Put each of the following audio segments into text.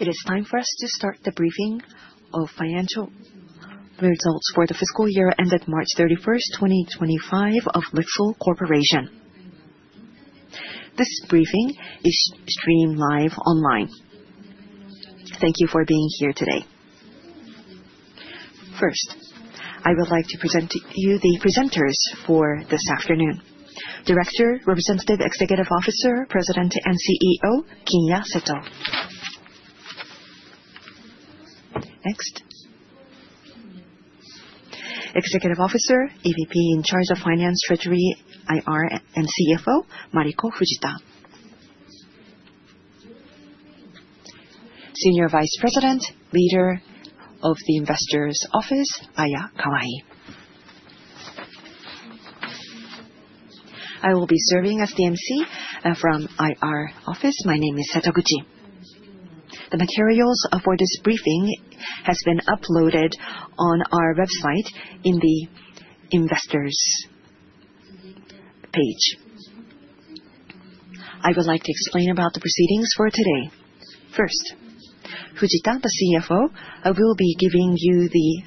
It is time for us to start the briefing of financial results for the fiscal year ended March 31, 2025, of LIXIL Corporation. This briefing is streamed live online. Thank you for being here today. First, I would like to present to you the presenters for this afternoon: Director, Representative Executive Officer, President, and CEO Kinya Seto. Next, Executive Officer, EVP in charge of Finance, Treasury, IR, and CFO Mariko Fujita. Senior Vice President, Leader of the Investors Office, Aya Kawai. I will be serving as the emcee from IR Office. My name is Seto Guji. The materials for this briefing have been uploaded on our website in the Investors page. I would like to explain about the proceedings for today. First, Fujita, the CFO, will be giving you the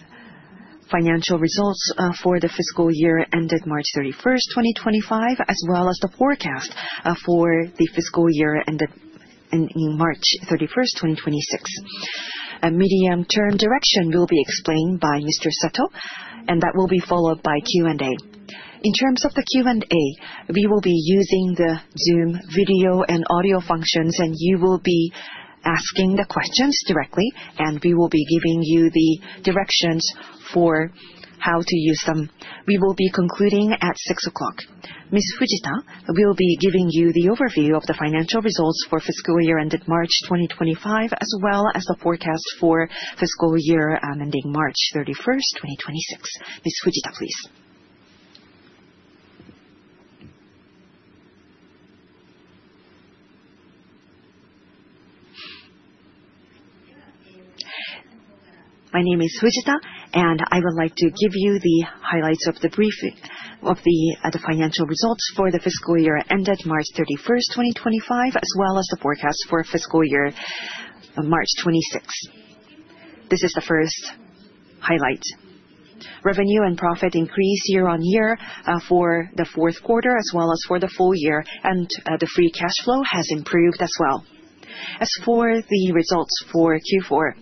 financial results for the fiscal year ended March 31st, 2025, as well as the forecast for the fiscal year ended March 31st, 2026. Medium-term direction will be explained by Mr. Seto, and that will be followed by Q&A. In terms of the Q&A, we will be using the Zoom video and audio functions, and you will be asking the questions directly, and we will be giving you the directions for how to use them. We will be concluding at 6:00 P.M. Ms. Fujita will be giving you the overview of the financial results for fiscal year ended March 2025, as well as the forecast for fiscal year ending March 31st, 2026. Ms. Fujita, please. My name is Fujita, and I would like to give you the highlights of the financial results for the fiscal year ended March 31st, 2025, as well as the forecast for fiscal year March 2026. This is the first highlight. Revenue and profit increased year-on-year for the fourth quarter, as well as for the full year, and the free cash flow has improved as well. As for the results for Q4,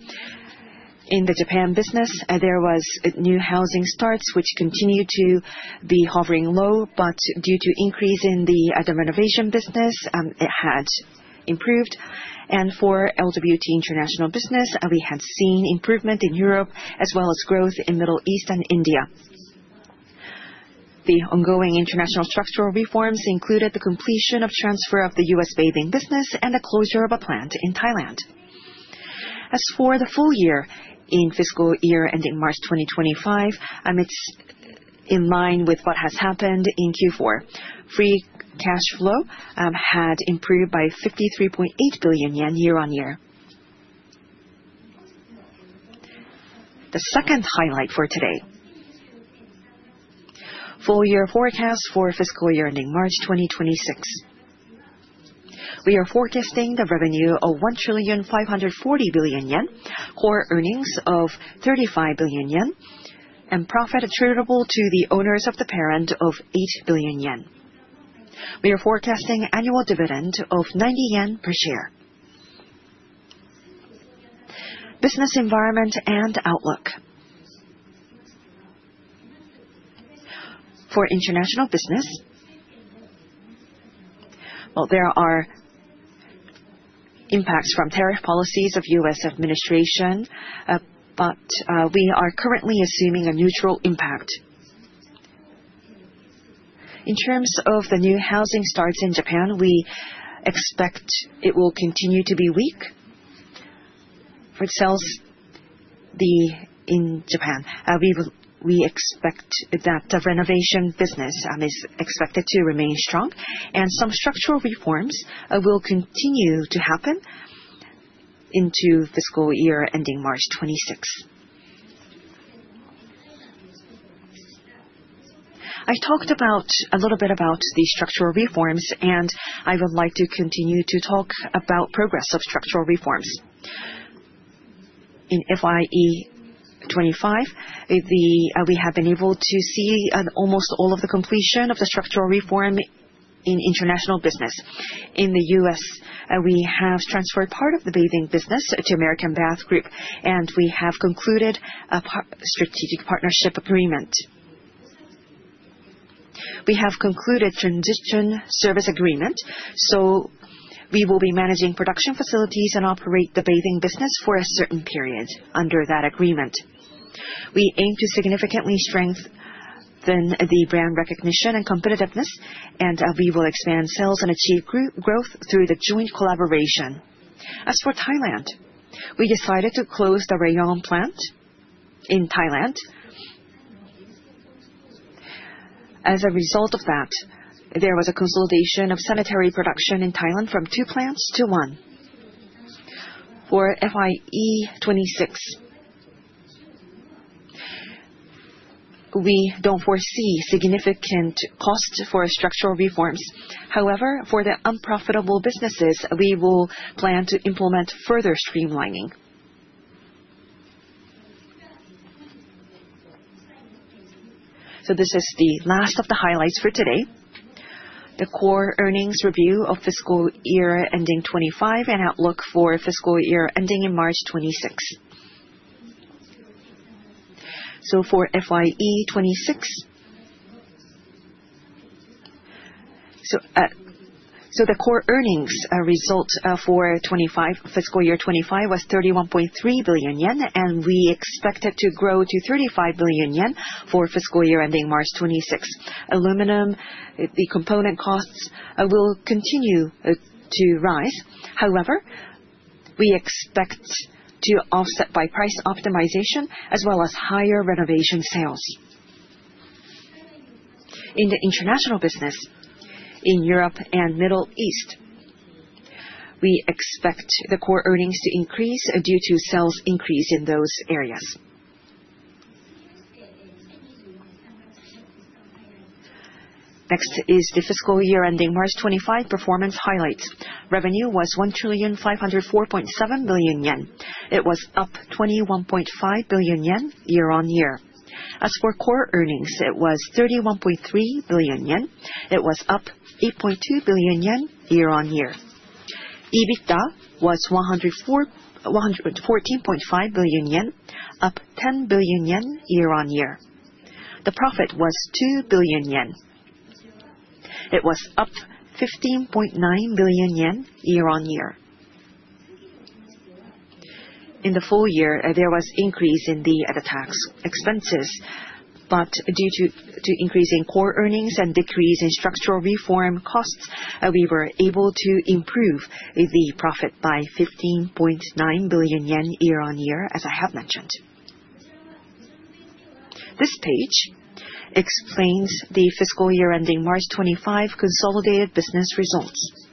in the Japan business, there were new housing starts, which continued to be hovering low, but due to an increase in the renovation business, it had improved. For LWT International business, we had seen improvement in Europe, as well as growth in the Middle East and India. The ongoing international structural reforms included the completion of the transfer of the U.S. bathing business and the closure of a plant in Thailand. As for the full year in fiscal year ending March 2025, in line with what has happened in Q4, free cash flow had improved by 53.8 billion yen year-on-year. The second highlight for today: full-year forecast for fiscal year ending March 2026. We are forecasting the revenue of 1.540 trillion, core earnings of 35 billion yen, and profit attributable to the owners of the parent of 8 billion yen. We are forecasting an annual dividend of 90 yen per share. Business environment and outlook for international business: there are impacts from tariff policies of the U.S. administration, but we are currently assuming a neutral impact. In terms of the new housing starts in Japan, we expect it will continue to be weak for sales in Japan. We expect that the renovation business is expected to remain strong, and some structural reforms will continue to happen into fiscal year ending March 2026. I talked a little bit about the structural reforms, and I would like to continue to talk about the progress of structural reforms. In FY 2025, we have been able to see almost all of the completion of the structural reform in international business. In the U.S., we have transferred part of the bathing business to American Bath Group, and we have concluded a strategic partnership agreement. We have concluded a transition service agreement, so we will be managing production facilities and operating the bathing business for a certain period under that agreement. We aim to significantly strengthen the brand recognition and competitiveness, and we will expand sales and achieve growth through the joint collaboration. As for Thailand, we decided to close the Rayong plant in Thailand. As a result of that, there was a consolidation of sanitary production in Thailand from two plants to one. For FY 2026, we do not foresee significant costs for structural reforms. However, for the unprofitable businesses, we will plan to implement further streamlining. This is the last of the highlights for today: the core earnings review of fiscal year ending 2025 and outlook for fiscal year ending in March 2026. For FY 2026, the core earnings result for fiscal year 2025 was 31.3 billion yen, and we expect it to grow to 35 billion yen for fiscal year ending March 2026. Aluminum, the component costs, will continue to rise. However, we expect to offset by price optimization, as well as higher renovation sales. In the international business in Europe and the Middle East, we expect the core earnings to increase due to sales increase in those areas. Next is the fiscal year ending March 2025 performance highlights. Revenue was 1,504.7 billion yen. It was up 21.5 billion yen year-on-year. As for core earnings, it was 31.3 billion yen. It was up 8.2 billion yen year-on-year. EBITDA was 114.5 billion yen, up 10 billion yen year-on-year. The profit was 2 billion yen. It was up 15.9 billion yen year-on-year. In the full year, there was an increase in the tax expenses, but due to increasing core earnings and a decrease in structural reform costs, we were able to improve the profit by 15.9 billion yen year-on-year, as I have mentioned. This page explains the fiscal year ending March 2025 consolidated business results.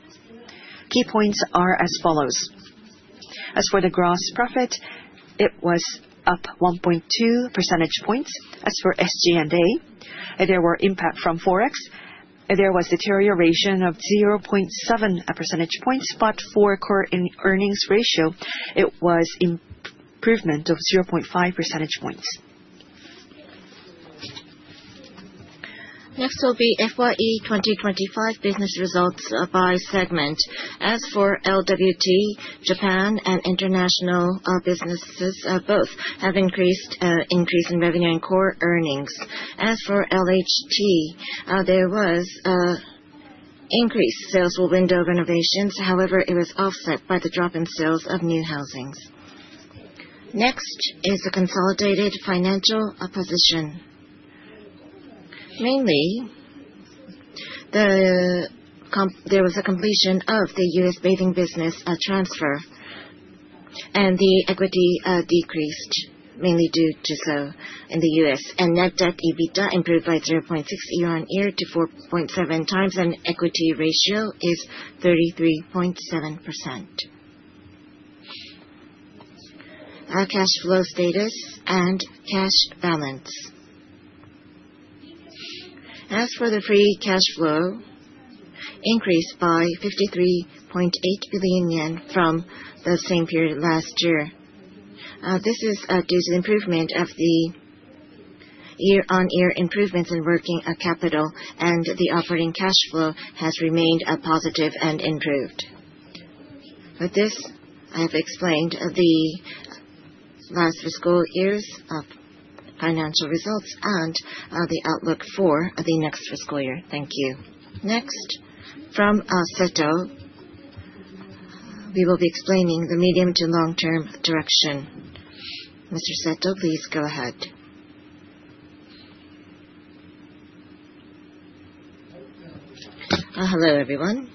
Key points are as follows. As for the gross profit, it was up 1.2 percentage points. As for SG&A, there were impacts from Forex. There was a deterioration of 0.7 percentage points, but for the core earnings ratio, it was an improvement of 0.5 percentage points. Next will be FY 2025 business results by segment. As for LWT, Japan and international businesses, both have an increased revenue in core earnings. As for LHT, there was an increased sales window of renovations. However, it was offset by the drop in sales of new housings. Next is the consolidated financial position. Mainly, there was a completion of the U.S. bathing business transfer, and the equity decreased mainly due to so in the U.S. Net debt EBITDA improved by 0.6 year-on-year to 4.7x, and the equity ratio is 33.7%. Cash flow status and cash balance. As for the free cash flow, it increased by 53.8 billion from the same period last year. This is due to the improvement of the year-on-year improvements in working capital, and the operating cash flow has remained positive and improved. With this, I have explained the last fiscal year's financial results and the outlook for the next fiscal year. Thank you. Next, from Seto, he will be explaining the medium to long-term direction. Mr. Seto, please go ahead. Hello, everyone.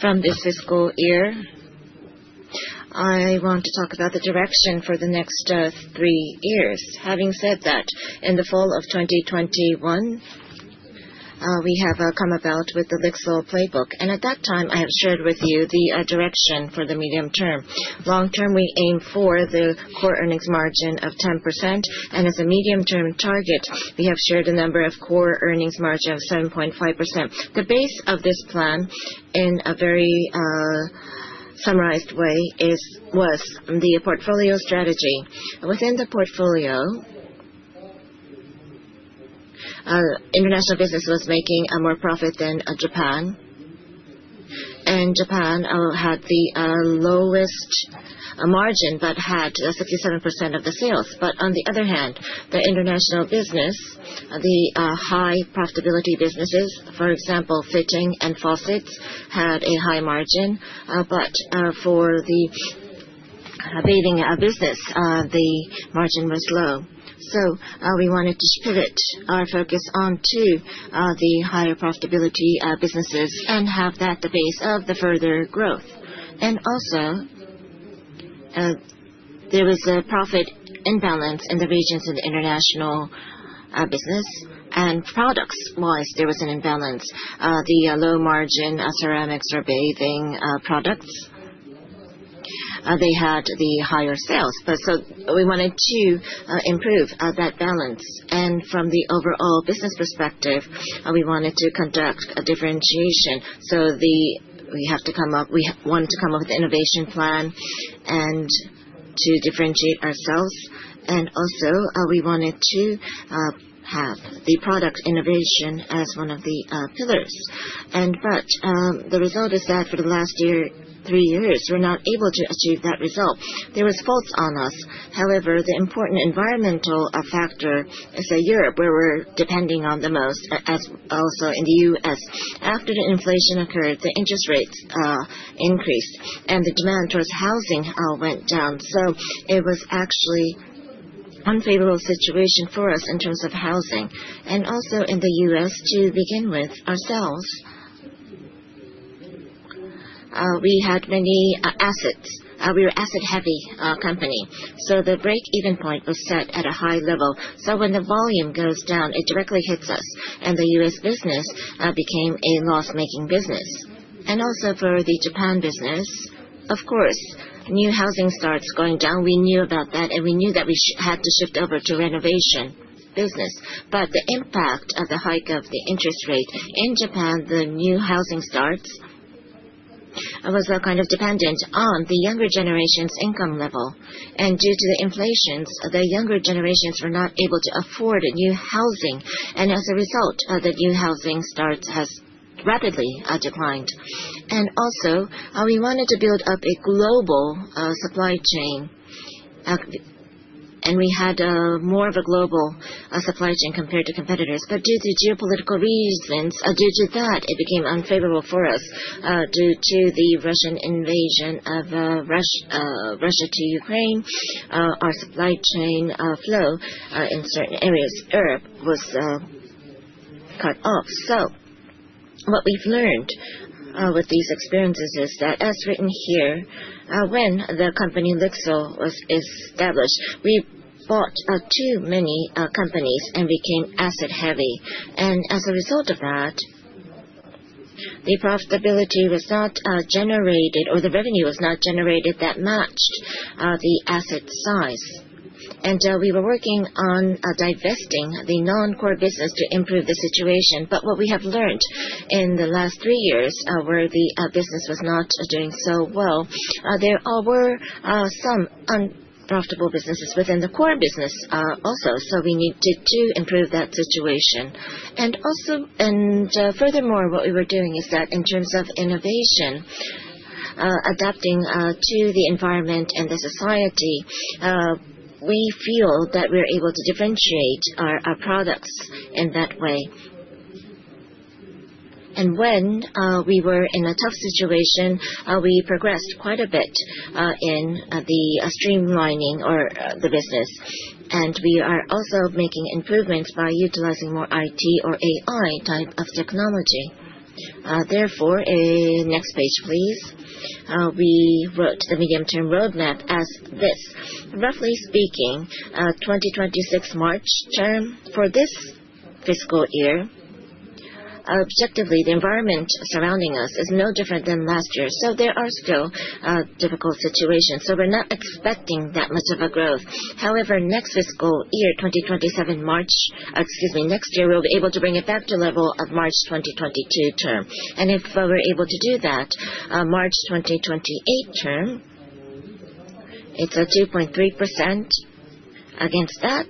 From this fiscal year, I want to talk about the direction for the next three years. Having said that, in the fall of 2021, we have come about with the LIXIL Playbook. At that time, I have shared with you the direction for the medium term. Long term, we aim for the core earnings margin of 10%, and as a medium-term target, we have shared a number of core earnings margins of 7.5%. The base of this plan, in a very summarized way, was the portfolio strategy. Within the portfolio, international business was making more profit than Japan, and Japan had the lowest margin but had 67% of the sales. On the other hand, the international business, the high-profitability businesses, for example, fitting and faucets, had a high margin, but for the bathing business, the margin was low. We wanted to pivot our focus onto the higher profitability businesses and have that at the base of the further growth. There was a profit imbalance in the regions of the international business, and products-wise, there was an imbalance. The low-margin ceramics or bathing products, they had the higher sales. We wanted to improve that balance. From the overall business perspective, we wanted to conduct a differentiation. We have to come up, we wanted to come up with an innovation plan to differentiate ourselves. Also, we wanted to have the product innovation as one of the pillars. The result is that for the last three years, we were not able to achieve that result. There were faults on us. However, the important environmental factor is Europe, where we are depending on the most, as also in the U.S. After the inflation occurred, the interest rates increased, and the demand towards housing went down. It was actually an unfavorable situation for us in terms of housing. Also in the U.S., to begin with, ourselves, we had many assets. We were an asset-heavy company. The break-even point was set at a high level. When the volume goes down, it directly hits us, and the U.S. business became a loss-making business. Also, for the Japan business, of course, new housing starts going down. We knew about that, and we knew that we had to shift over to renovation business. The impact of the hike of the interest rate in Japan, the new housing starts, was kind of dependent on the younger generation's income level. Due to the inflations, the younger generations were not able to afford new housing. As a result, the new housing starts has rapidly declined. Also, we wanted to build up a global supply chain, and we had more of a global supply chain compared to competitors. Due to geopolitical reasons, due to that, it became unfavorable for us due to the Russian invasion of Ukraine. Our supply chain flow in certain areas of Europe was cut off. What we've learned with these experiences is that, as written here, when the company LIXIL was established, we bought too many companies and became asset-heavy. As a result of that, the profitability was not generated, or the revenue was not generated that matched the asset size. We were working on divesting the non-core business to improve the situation. What we have learned in the last three years where the business was not doing so well, there were some unprofitable businesses within the core business also. We needed to improve that situation. Furthermore, what we were doing is that in terms of innovation, adapting to the environment and the society, we feel that we're able to differentiate our products in that way. When we were in a tough situation, we progressed quite a bit in the streamlining of the business. We are also making improvements by utilizing more IT or AI type of technology. Therefore, next page, please. We wrote the medium-term roadmap as this. Roughly speaking, 2026 March term. For this fiscal year, objectively, the environment surrounding us is no different than last year. There are still difficult situations. We are not expecting that much of a growth. However, next fiscal year, 2027 March, excuse me, next year, we will be able to bring it back to the level of March 2022 term. If we are able to do that, March 2028 term, it is a 2.3%. Against that,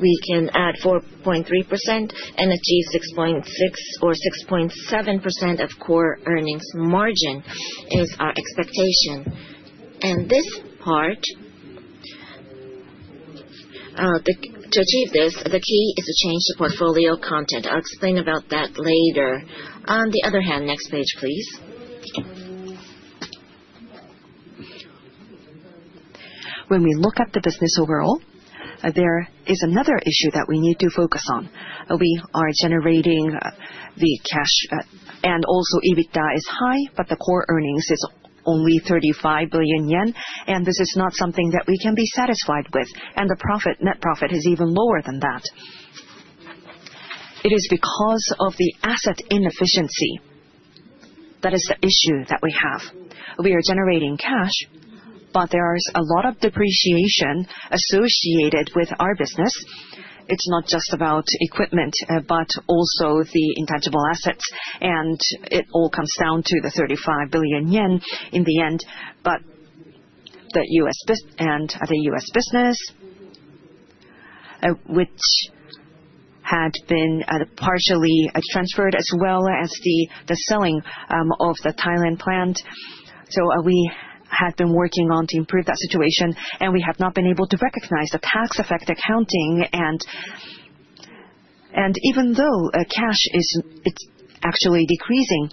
we can add 4.3% and achieve 6.6% or 6.7% of core earnings margin is our expectation. This part, to achieve this, the key is to change the portfolio content. I'll explain about that later. On the other hand, next page, please. When we look at the business overall, there is another issue that we need to focus on. We are generating the cash. Also, EBITDA is high, but the core earnings is only 35 billion yen, and this is not something that we can be satisfied with. The net profit is even lower than that. It is because of the asset inefficiency that is the issue that we have. We are generating cash, but there is a lot of depreciation associated with our business. It's not just about equipment, but also the intangible assets. It all comes down to the 35 billion yen in the end. The U.S. and the U.S. business, which had been partially transferred, as well as the selling of the Thailand plant. We have been working on to improve that situation, and we have not been able to recognize the tax-affected accounting. Even though cash is actually decreasing,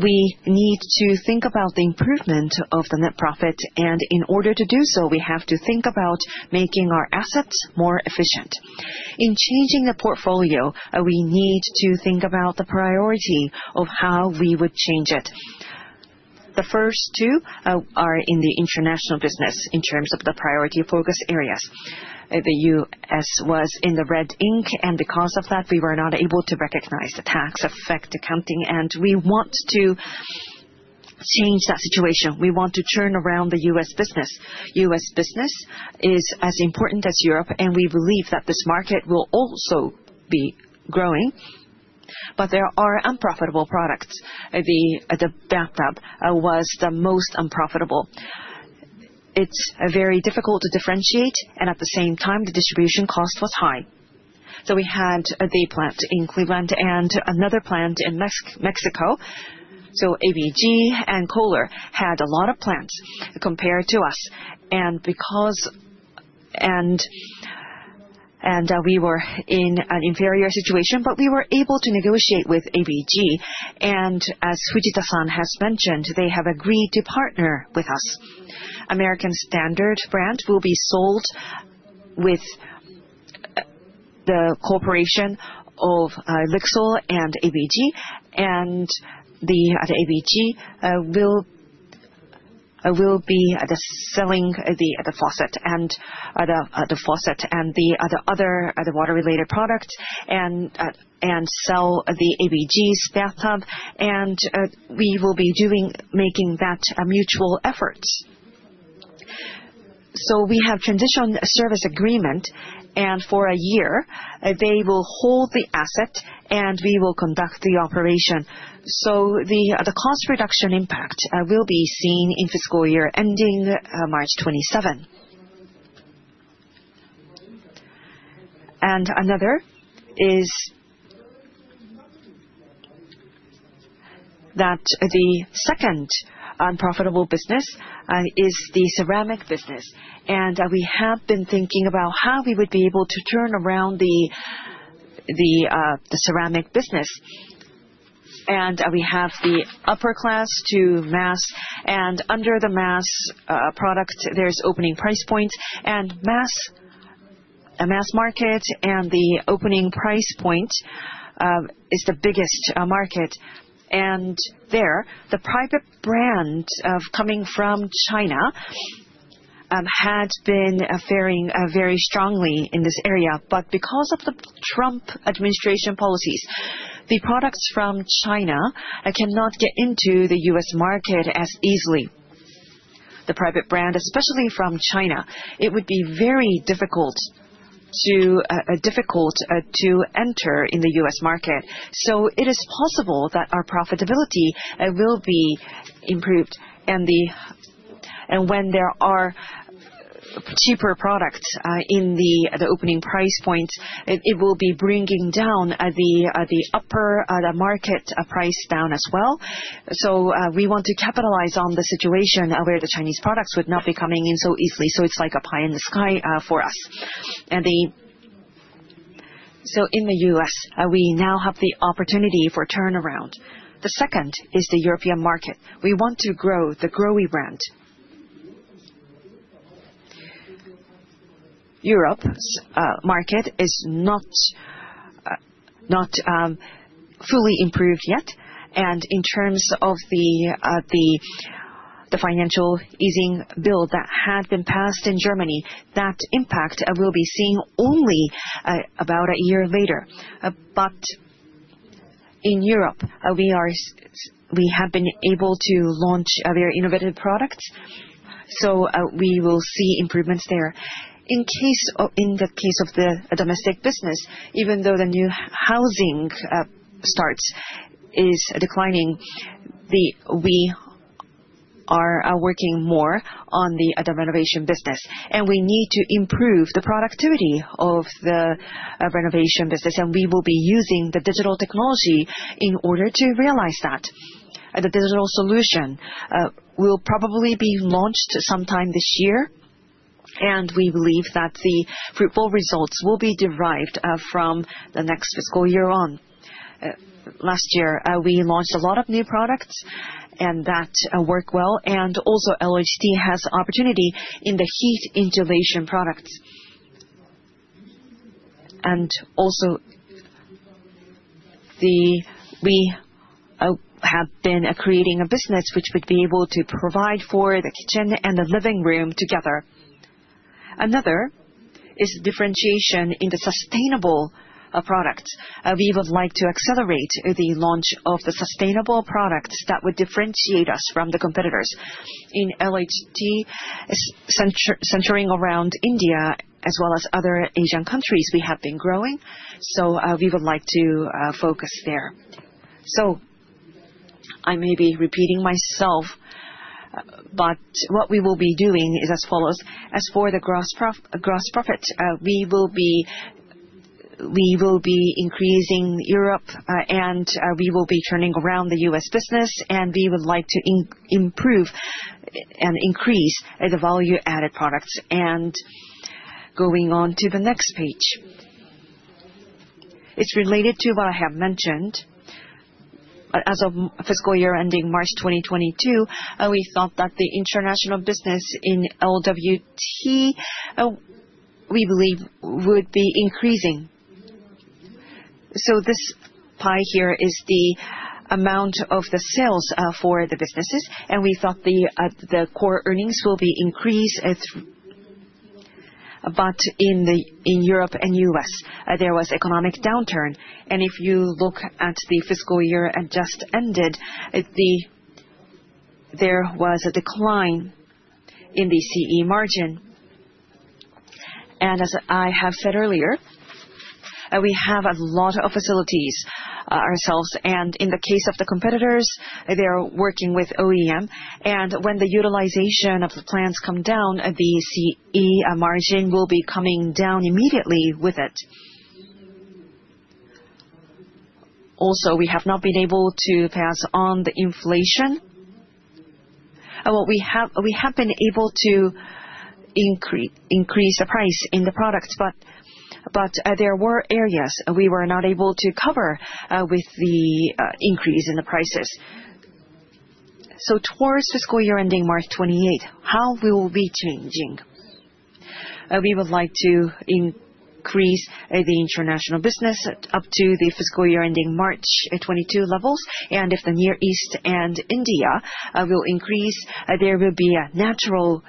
we need to think about the improvement of the net profit. In order to do so, we have to think about making our assets more efficient. In changing the portfolio, we need to think about the priority of how we would change it. The first two are in the international business in terms of the priority focus areas. The U.S. was in the red ink, and because of that, we were not able to recognize the tax-affected accounting. We want to change that situation. We want to turn around the U.S. business. U.S. business is as important as Europe, and we believe that this market will also be growing. There are unprofitable products. The bathtub was the most unprofitable. It's very difficult to differentiate, and at the same time, the distribution cost was high. We had the plant in Cleveland and another plant in Mexico. ABG and Kohler had a lot of plants compared to us. We were in an inferior situation, but we were able to negotiate with ABG. As Fujita-san has mentioned, they have agreed to partner with us. American Standard brand will be sold with the cooperation of LIXIL and ABG. ABG will be selling the faucet and the other water-related products and sell ABG's bathtub. We will be making that mutual effort. We have transitioned a service agreement, and for a year, they will hold the asset, and we will conduct the operation. The cost reduction impact will be seen in fiscal year ending March 2027. Another is that the second unprofitable business is the ceramic business. We have been thinking about how we would be able to turn around the ceramic business. We have the upper class to mass, and under the mass product, there is opening price points. Mass market and the opening price point is the biggest market. There, the private brand coming from China had been faring very strongly in this area. Because of the Trump administration policies, the products from China cannot get into the U.S. market as easily. The private brand, especially from China, it would be very difficult to enter in the U.S. market. It is possible that our profitability will be improved. When there are cheaper products in the opening price points, it will be bringing down the upper market price down as well. We want to capitalize on the situation where the Chinese products would not be coming in so easily. It is like a pie in the sky for us. In the U.S., we now have the opportunity for turnaround. The second is the European market. We want to grow the GROHE brand. Europe's market is not fully improved yet. In terms of the financial easing bill that had been passed in Germany, that impact will be seen only about a year later. In Europe, we have been able to launch their innovative products. We will see improvements there. In the case of the domestic business, even though the new housing starts is declining, we are working more on the renovation business. We need to improve the productivity of the renovation business. We will be using the digital technology in order to realize that. The digital solution will probably be launched sometime this year. We believe that the fruitful results will be derived from the next fiscal year on. Last year, we launched a lot of new products and that worked well. Also, LHT has an opportunity in the heat insulation products. We have been creating a business which would be able to provide for the kitchen and the living room together. Another is differentiation in the sustainable products. We would like to accelerate the launch of the sustainable products that would differentiate us from the competitors. In LHT, centering around India as well as other Asian countries, we have been growing. We would like to focus there. I may be repeating myself, but what we will be doing is as follows. As for the gross profit, we will be increasing Europe, and we will be turning around the U.S. business. We would like to improve and increase the value-added products. Going on to the next page, it is related to what I have mentioned. As of fiscal year ending March 2022, we thought that the international business in LWT, we believe, would be increasing. This pie here is the amount of the sales for the businesses. We thought the core earnings will be increased. In Europe and U.S., there was economic downturn. If you look at the fiscal year that just ended, there was a decline in the CE margin. As I have said earlier, we have a lot of facilities ourselves. In the case of the competitors, they are working with OEM. When the utilization of the plants comes down, the CE margin will be coming down immediately with it. Also, we have not been able to pass on the inflation. We have been able to increase the price in the products, but there were areas we were not able to cover with the increase in the prices. Towards fiscal year ending March 2028, how will we be changing? We would like to increase the international business up to the fiscal year ending March 2022 levels. If the Near East and India will increase, there will be a natural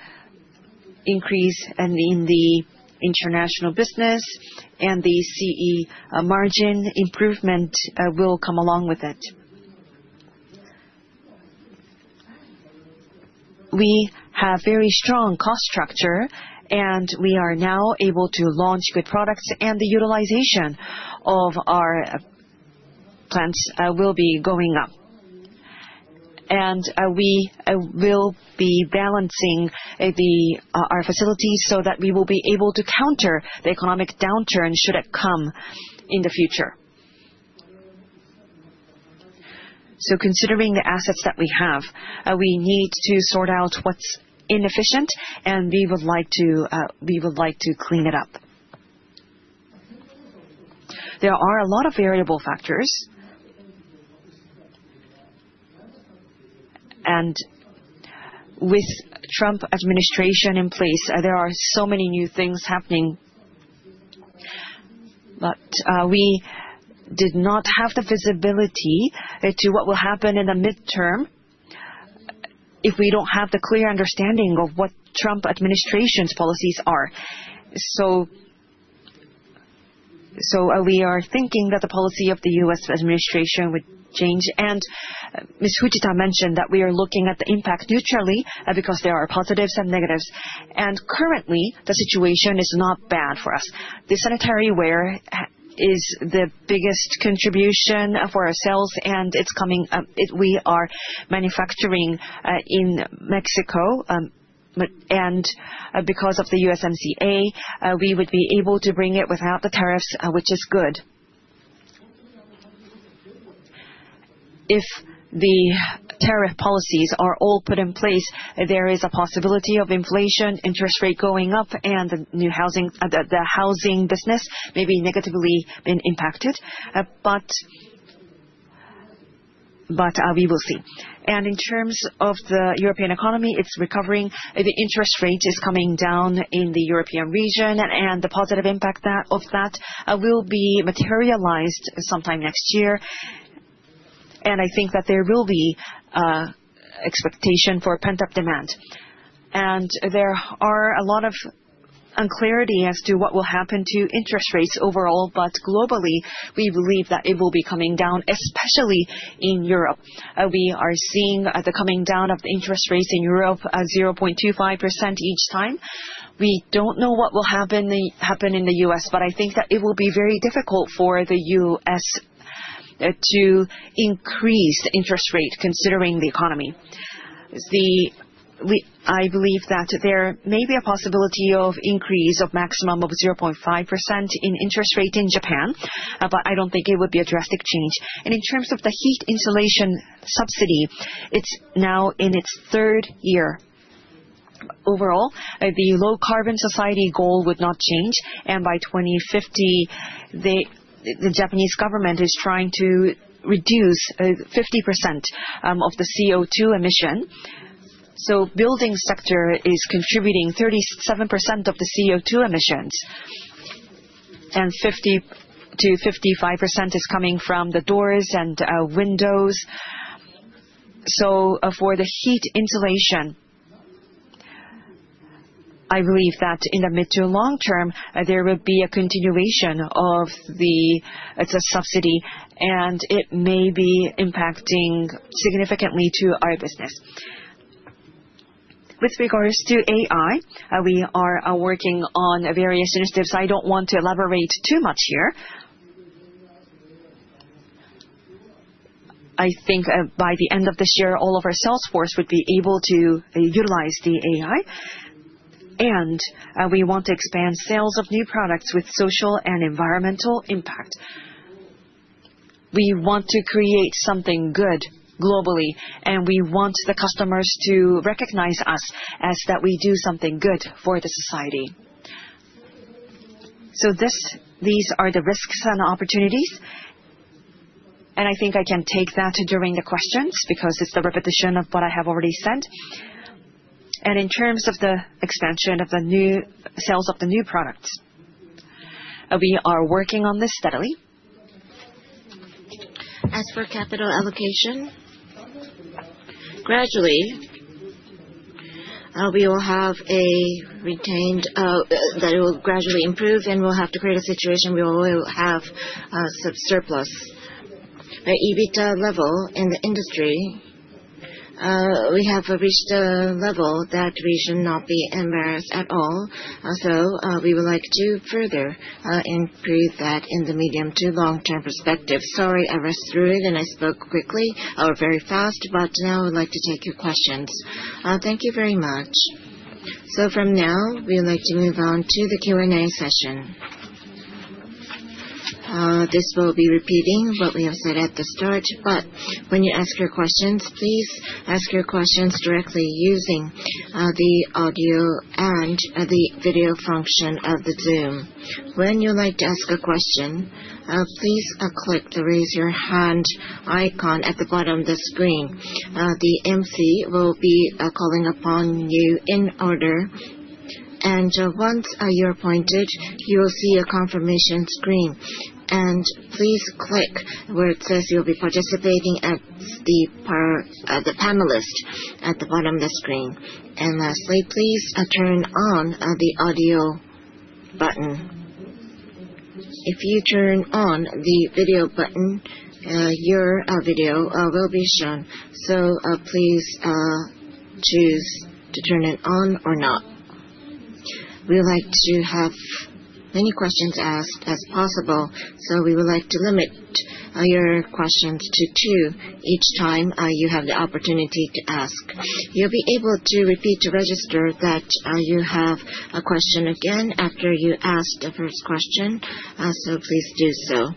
increase in the international business, and the CE margin improvement will come along with it. We have a very strong cost structure, and we are now able to launch good products, and the utilization of our plants will be going up. We will be balancing our facilities so that we will be able to counter the economic downturn should it come in the future. Considering the assets that we have, we need to sort out what's inefficient, and we would like to clean it up. There are a lot of variable factors. With the Trump administration in place, there are so many new things happening. We did not have the visibility to what will happen in the midterm if we do not have the clear understanding of what the Trump administration's policies are. We are thinking that the policy of the U.S. administration would change. Ms. Fujita mentioned that we are looking at the impact neutrally because there are positives and negatives. Currently, the situation is not bad for us. The sanitary ware is the biggest contribution for ourselves, and we are manufacturing in Mexico. Because of the USMCA, we would be able to bring it without the tariffs, which is good. If the tariff policies are all put in place, there is a possibility of inflation, interest rate going up, and the housing business may be negatively impacted. We will see. In terms of the European economy, it is recovering. The interest rate is coming down in the European region, and the positive impact of that will be materialized sometime next year. I think that there will be expectation for pent-up demand. There are a lot of unclarity as to what will happen to interest rates overall. Globally, we believe that it will be coming down, especially in Europe. We are seeing the coming down of the interest rates in Europe at 0.25% each time. We don't know what will happen in the U.S., but I think that it will be very difficult for the U.S. to increase the interest rate considering the economy. I believe that there may be a possibility of increase of maximum of 0.5% in interest rate in Japan, but I don't think it would be a drastic change. In terms of the heat insulation subsidy, it's now in its third year. Overall, the low carbon society goal would not change. By 2050, the Japanese government is trying to reduce 50% of the CO2 emission. The building sector is contributing 37% of the CO2 emissions, and 50%-55% is coming from the doors and windows. For the heat insulation, I believe that in the mid to long term, there would be a continuation of the subsidy, and it may be impacting significantly to our business. With regards to AI, we are working on various initiatives. I do not want to elaborate too much here. I think by the end of this year, all of our sales force would be able to utilize the AI. We want to expand sales of new products with social and environmental impact. We want to create something good globally, and we want the customers to recognize us as that we do something good for the society. These are the risks and opportunities. I think I can take that during the questions because it is the repetition of what I have already said. In terms of the expansion of the sales of the new products, we are working on this steadily. As for capital allocation, gradually we will have a retained that will gradually improve, and we will have to create a situation where we will have a surplus. The EBITDA level in the industry, we have reached a level that we should not be embarrassed at all. We would like to further increase that in the medium to long-term perspective. Sorry, I rushed through it, and I spoke quickly or very fast, but now I would like to take your questions. Thank you very much. From now, we would like to move on to the Q&A session. This will be repeating what we have said at the start, but when you ask your questions, please ask your questions directly using the audio and the video function of the Zoom. When you'd like to ask a question, please click the raise your hand icon at the bottom of the screen. The MC will be calling upon you in order. Once you're appointed, you will see a confirmation screen. Please click where it says you will be participating at the panel list at the bottom of the screen. Lastly, please turn on the audio button. If you turn on the video button, your video will be shown, so please choose to turn it on or not. We would like to have as many questions asked as possible, so we would like to limit your questions to two each time you have the opportunity to ask. You will be able to repeat to register that you have a question again after you ask the first question, so please do so.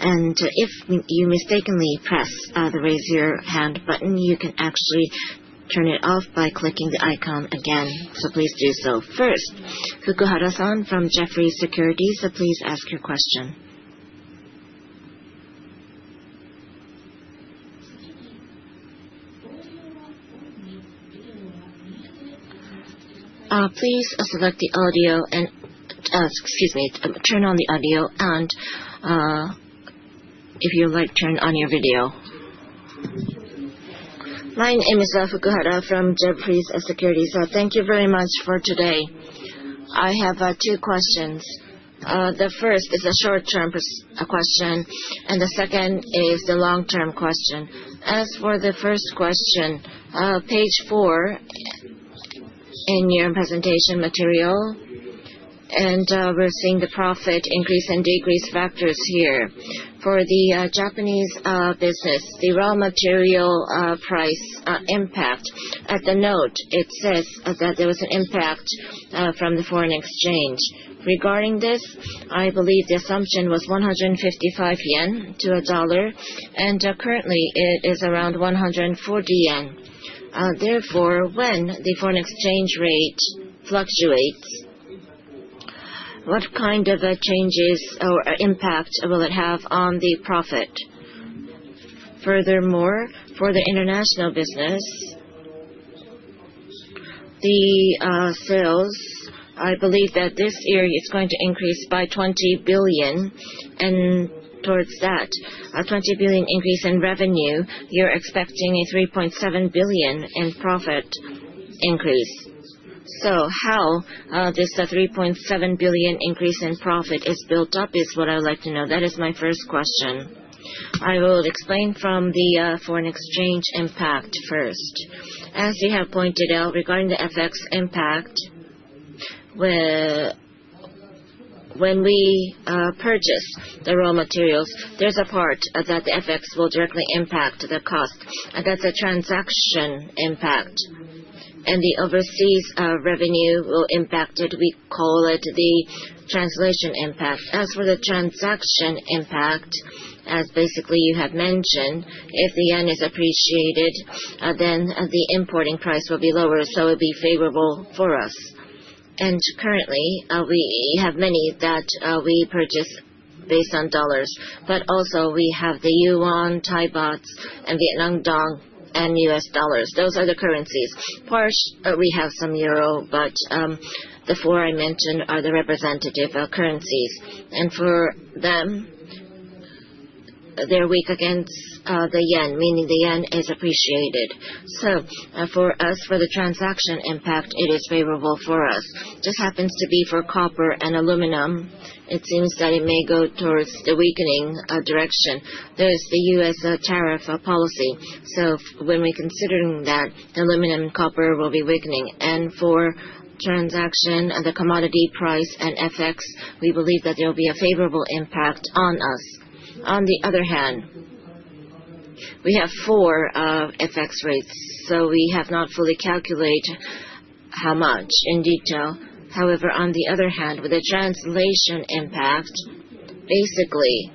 If you mistakenly press the raise your hand button, you can actually turn it off by clicking the icon again, so please do so. First, Fukuhara-san from Jefferies Securities, please ask your question. Please select the audio and excuse me, turn on the audio, and if you like, turn on your video. My name is Fukuhara from Jefferies Securities. Thank you very much for today. I have two questions. The first is a short-term question, and the second is the long-term question. As for the first question, page four in your presentation material, and we are seeing the profit increase and decrease factors here. For the Japanese business, the raw material price impact, at the note, it says that there was an impact from the foreign exchange. Regarding this, I believe the assumption was 155 yen to a dollar, and currently, it is around 140 yen. Therefore, when the foreign exchange rate fluctuates, what kind of changes or impact will it have on the profit? Furthermore, for the international business, the sales, I believe that this year it's going to increase by 20 billion and towards that, a 30 billion increase in revenue, you're expecting a 3.7 billion in profit increase. How this 3.7 billion increase in profit is built up is what I would like to know. That is my first question. I will explain from the foreign exchange impact first. As you have pointed out regarding the FX impact, when we purchase the raw materials, there's a part that the FX will directly impact the cost. That's a transaction impact. The overseas revenue will impact it. We call it the translation impact. As for the transaction impact, as basically you have mentioned, if the yen is appreciated, then the importing price will be lower, so it would be favorable for us. Currently, we have many that we purchase based on dollars, but also we have the yuan, Thai baht, and Vietnam dong, and U.S. dollars. Those are the currencies. We have some euro, but the four I mentioned are the representative currencies. For them, they're weak against the yen, meaning the yen is appreciated. For us, for the transaction impact, it is favorable for us. It just happens to be for copper and aluminum. It seems that it may go towards the weakening direction. There is the U.S. tariff policy. When we're considering that, aluminum and copper will be weakening. For transaction, the commodity price and FX, we believe that there will be a favorable impact on us. On the other hand, we have four FX rates, so we have not fully calculated how much in detail. However, on the other hand, with the translation impact, basically,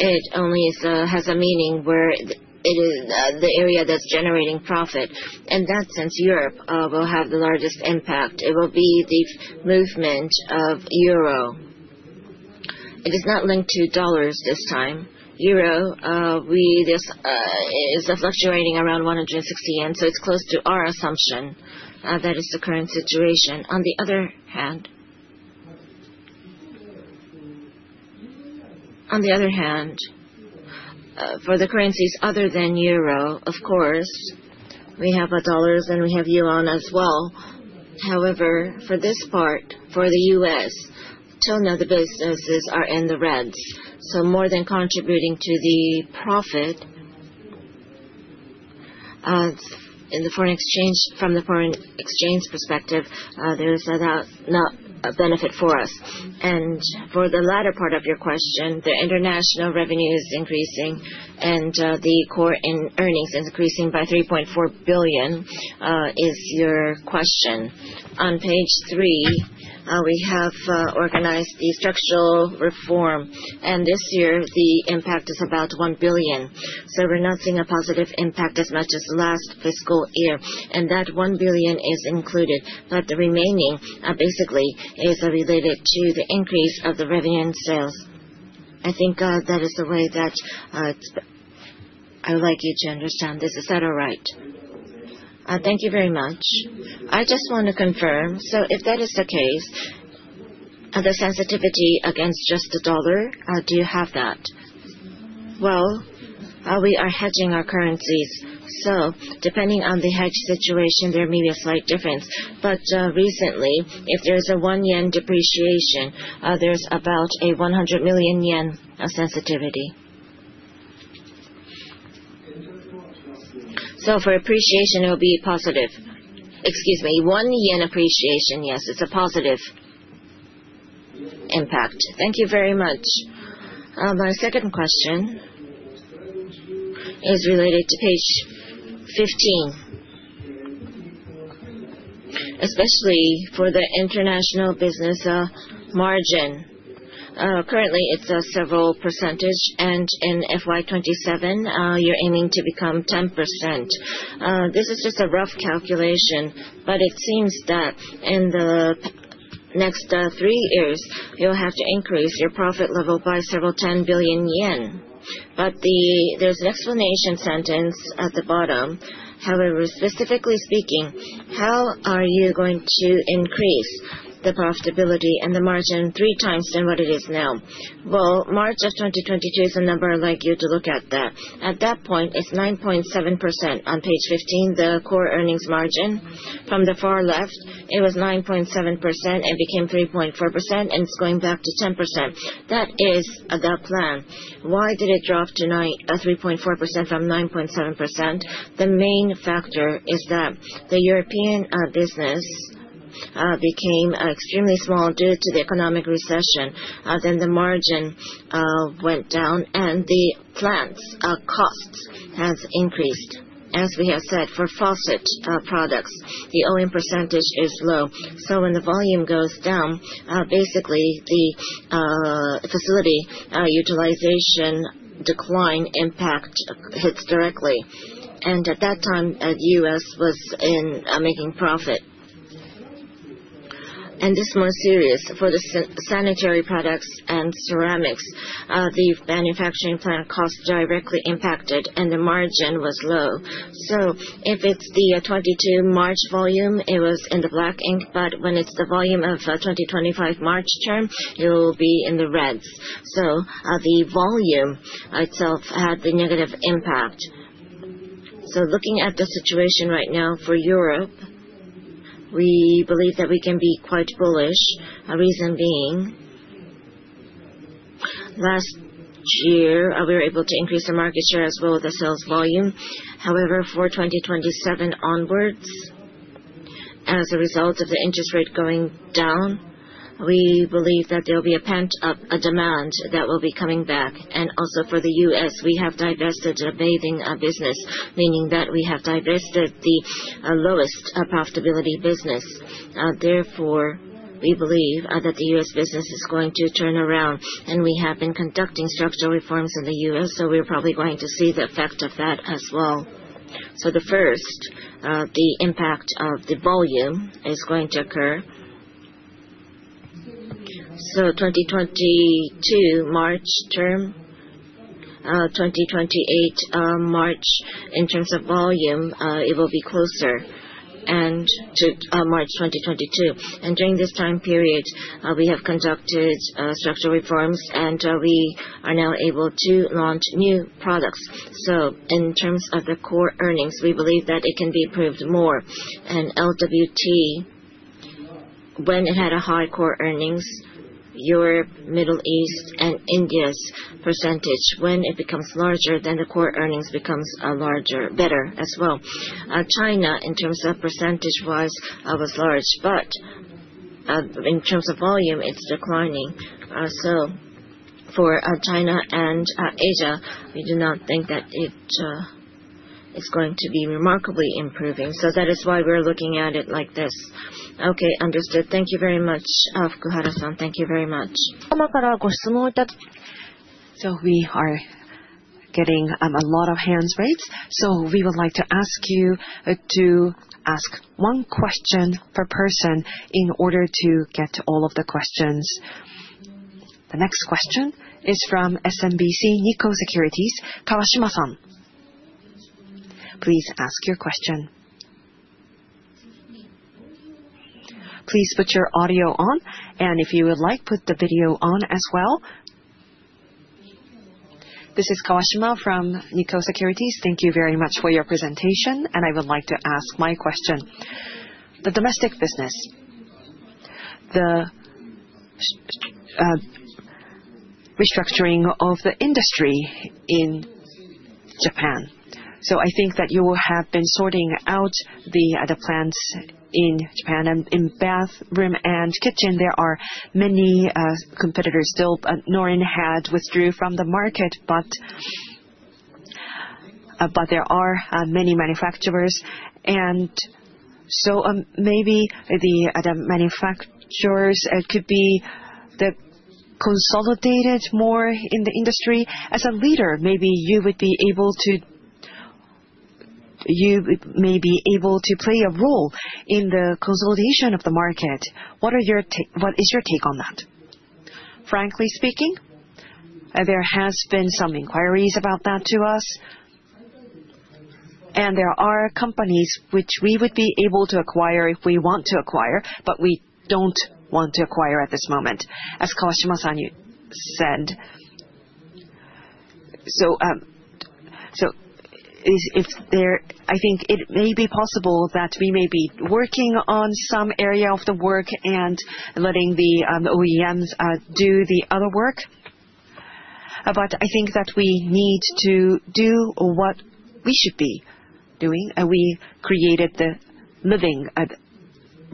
it only has a meaning where it is the area that's generating profit. In that sense, Europe will have the largest impact. It will be the movement of euro. It is not linked to dollars this time. Euro is fluctuating around 160 yen, so it's close to our assumption that is the current situation. On the other hand, for the currencies other than euro, of course, we have dollars and we have yuan as well. However, for this part, for the U.S., two of the businesses are in the red. More than contributing to the profit in the foreign exchange from the foreign exchange perspective, there is not a benefit for us. For the latter part of your question, the international revenue is increasing and the core earnings is increasing by 3.4 billion is your question. On page three, we have organized the structural reform, and this year, the impact is about 1 billion. We are not seeing a positive impact as much as last fiscal year. That 1 billion is included, but the remaining basically is related to the increase of the revenue and sales. I think that is the way that I would like you to understand this. Is that all right? Thank you very much. I just want to confirm. If that is the case, the sensitivity against just the dollar, do you have that? We are hedging our currencies. Depending on the hedge situation, there may be a slight difference. Recently, if there is a 1 yen depreciation, there is about a 100 million yen sensitivity. For appreciation, it will be positive. Excuse me. 1 yen appreciation, yes. It is a positive impact. Thank you very much. My second question is related to page 15, especially for the international business margin. Currently, it's a several percentage, and in FY 2027, you're aiming to become 10%. This is just a rough calculation, but it seems that in the next three years, you'll have to increase your profit level by several 10 billion yen. There's an explanation sentence at the bottom. However, specifically speaking, how are you going to increase the profitability and the margin three times than what it is now? March of 2022 is a number I'd like you to look at. At that point, it's 9.7%. On page 15, the core earnings margin from the far left, it was 9.7%. It became 3.4%, and it's going back to 10%. That is the plan. Why did it drop to 3.4% from 9.7%? The main factor is that the European business became extremely small due to the economic recession. The margin went down, and the plant's costs have increased. As we have said, for faucet products, the OEM percentage is low. When the volume goes down, basically, the facility utilization decline impact hits directly. At that time, the U.S. was in making profit. This is more serious. For the sanitary products and ceramics, the manufacturing plant costs directly impacted, and the margin was low. If it is the 2022 March volume, it was in the black ink, but when it is the volume of 2025 March term, it will be in the reds. The volume itself had the negative impact. Looking at the situation right now for Europe, we believe that we can be quite bullish. Reason being, last year, we were able to increase the market share as well as the sales volume. However, for 2027 onwards, as a result of the interest rate going down, we believe that there will be a pent-up demand that will be coming back. Also, for the U.S., we have divested the bathing business, meaning that we have divested the lowest profitability business. Therefore, we believe that the U.S. business is going to turn around, and we have been conducting structural reforms in the U.S., so we're probably going to see the effect of that as well. The first impact of the volume is going to occur. For the March 2022 term and March 2028, in terms of volume, it will be closer to March 2022. During this time period, we have conducted structural reforms, and we are now able to launch new products. In terms of the core earnings, we believe that it can be improved more. LWT, when it had a high core earnings, Europe, Middle East, and India's percentage, when it becomes larger, then the core earnings becomes better as well. China, in terms of percentage-wise, was large, but in terms of volume, it is declining. For China and Asia, we do not think that it is going to be remarkably improving. That is why we are looking at it like this. Okay, understood. Thank you very much, Fukuhara-san. Thank you very much. 様からご質問を。We are getting a lot of hands raised. We would like to ask you to ask one question per person in order to get to all of the questions. The next question is from SMBC Nikko Securities, Kawashima-san. Please ask your question. Please put your audio on, and if you would like, put the video on as well. This is Kawashima from SMBC Nikko Securities. Thank you very much for your presentation, and I would like to ask my question. The domestic business, the restructuring of the industry in Japan. I think that you have been sorting out the plants in Japan. In bathroom and kitchen, there are many competitors still. Norin had withdrawn from the market, but there are many manufacturers. Maybe the manufacturers could be consolidated more in the industry. As a leader, maybe you would be able to play a role in the consolidation of the market. What is your take on that? Frankly speaking, there has been some inquiries about that to us, and there are companies which we would be able to acquire if we want to acquire, but we do not want to acquire at this moment. As Kawashima-san said, I think it may be possible that we may be working on some area of the work and letting the OEMs do the other work. I think that we need to do what we should be doing. We created the living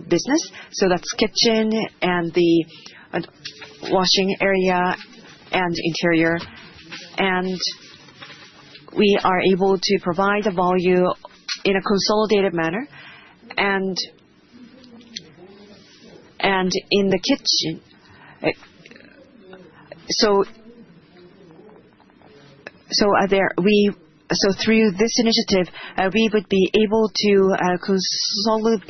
business, so that is kitchen and the washing area and interior. We are able to provide the volume in a consolidated manner and in the kitchen. Through this initiative, we would be able to consolidate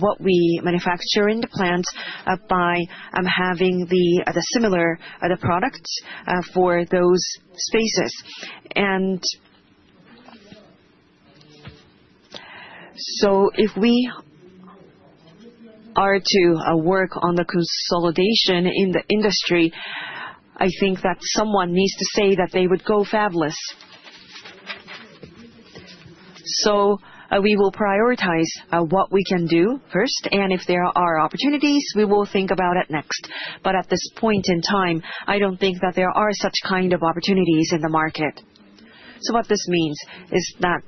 what we manufacture in the plants by having the similar products for those spaces. If we are to work on the consolidation in the industry, I think that someone needs to say that they would go fabless. We will prioritize what we can do first, and if there are opportunities, we will think about it next. At this point in time, I do not think that there are such kind of opportunities in the market. This means that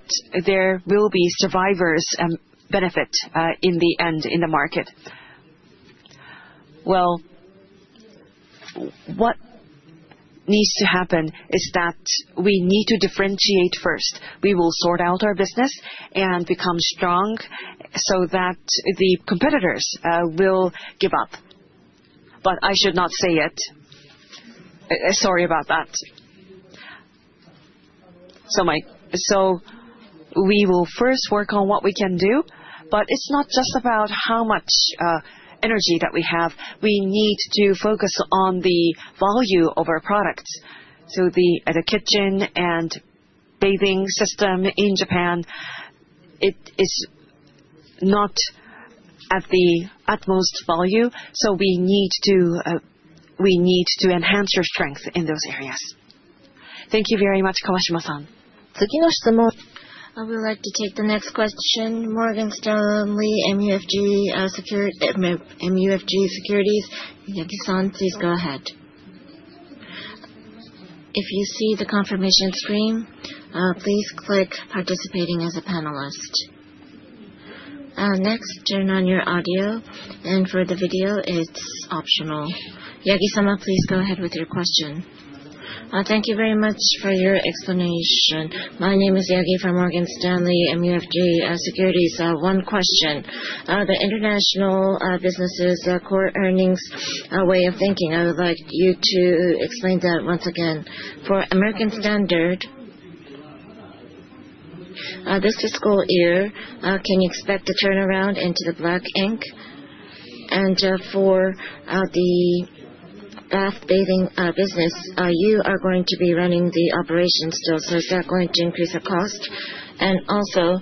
there will be survivors and benefit in the end in the market. What needs to happen is that we need to differentiate first. We will sort out our business and become strong so that the competitors will give up. I should not say it. Sorry about that. We will first work on what we can do, but it is not just about how much energy that we have. We need to focus on the volume of our products. The kitchen and bathing system in Japan, it is not at the utmost volume, so we need to enhance your strength in those areas. Thank you very much, Kawashima-san. 次の質問。I would like to take the next question, Morgan Stanley MUFG Securities, Yagi-san, please go ahead. If you see the confirmation screen, please click participating as a panelist. Next, turn on your audio, and for the video, it's optional. Yagi-san, please go ahead with your question. Thank you very much for your explanation. My name is Yagi from Morgan Stanley MUFG Securities. One question. The international business's core earnings way of thinking, I would like you to explain that once again. For American Standard, this fiscal year, can you expect a turnaround into the black ink? For the bathing business, you are going to be running the operations still, so is that going to increase the cost? Also,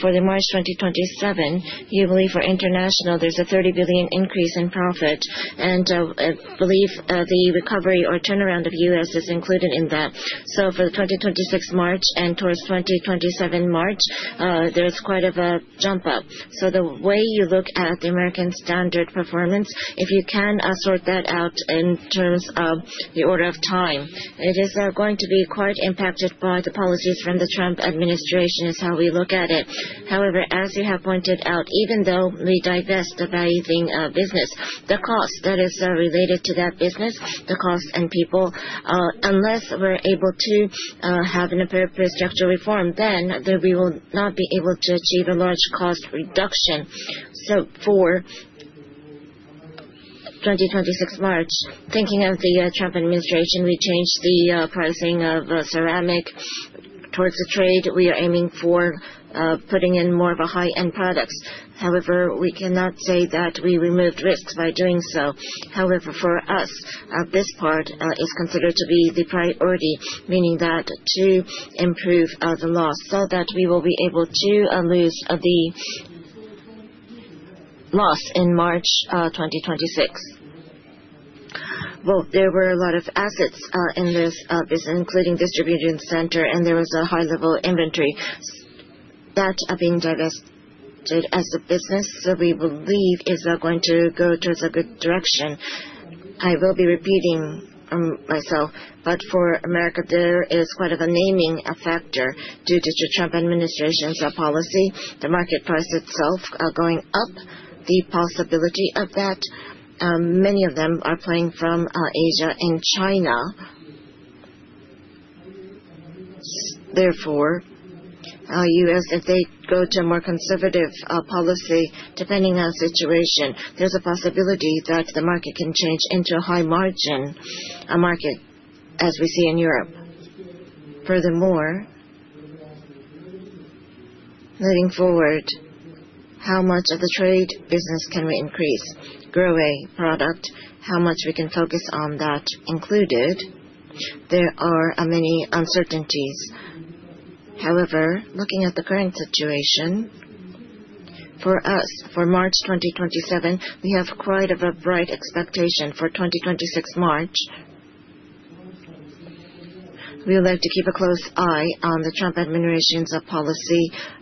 for March 2027, you believe for international, there is a 30 billion increase in profit, and I believe the recovery or turnaround of the U.S. is included in that. For March 2026 and towards March 2027, there is quite a jump up. The way you look at the American Standard performance, if you can sort that out in terms of the order of time, it is going to be quite impacted by the policies from the Trump administration is how we look at it. However, as you have pointed out, even though we divest the bathing business, the cost that is related to that business, the cost and people, unless we are able to have an appropriate structural reform, then we will not be able to achieve a large cost reduction. For 2026 March, thinking of the Trump administration, we changed the pricing of ceramic towards the trade. We are aiming for putting in more of a high-end products. However, we cannot say that we removed risks by doing so. However, for us, this part is considered to be the priority, meaning that to improve the loss so that we will be able to lose the loss in March 2026. There were a lot of assets in this business, including distributing center, and there was a high-level inventory that are being divested as a business. We believe it's going to go towards a good direction. I will be repeating myself, but for America, there is quite a naming factor due to the Trump administration's policy. The market price itself going up, the possibility of that, many of them are playing from Asia and China. Therefore, U.S., if they go to a more conservative policy, depending on the situation, there's a possibility that the market can change into a high-margin market as we see in Europe. Furthermore, moving forward, how much of the trade business can we increase? GROHE product, how much we can focus on that included. There are many uncertainties. However, looking at the current situation, for us, for March 2027, we have quite a bright expectation for 2026 March. We would like to keep a close eye on the Trump administration's policy and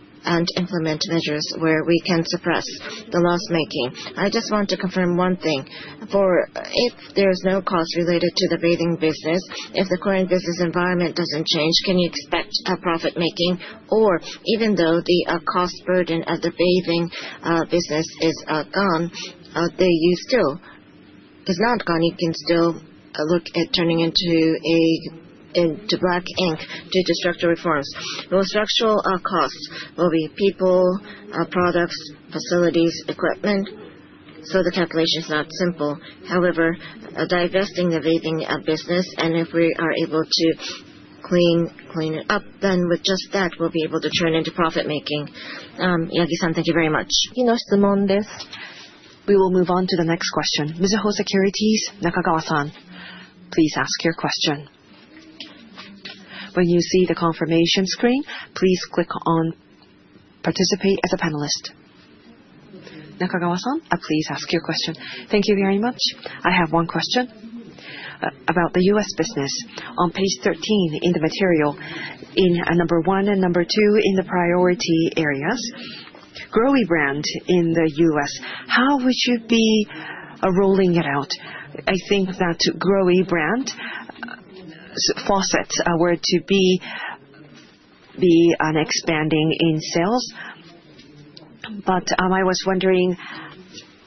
implement measures where we can suppress the loss-making. I just want to confirm one thing. If there is no cost related to the bathing business, if the current business environment doesn't change, can you expect profit-making? Or even though the cost burden of the bathing business is gone, it's not gone. You can still look at turning into black ink due to structural reforms. Those structural costs will be people, products, facilities, equipment. The calculation is not simple. However, divesting the bathing business, and if we are able to clean it up, then with just that, we'll be able to turn into profit-making. Yagi-san, thank you very much. の質問です。We will move on to the next question. Mizuho Securities, Nakagawa-san, please ask your question. When you see the confirmation screen, please click on participate as a panelist. Nakagawa-san, please ask your question. Thank you very much. I have one question about the U.S. business. On page 13 in the material, in number one and number two in the priority areas, GROHE brand in the U.S., how would you be rolling it out? I think that GROHE brand faucets were to be expanding in sales, but I was wondering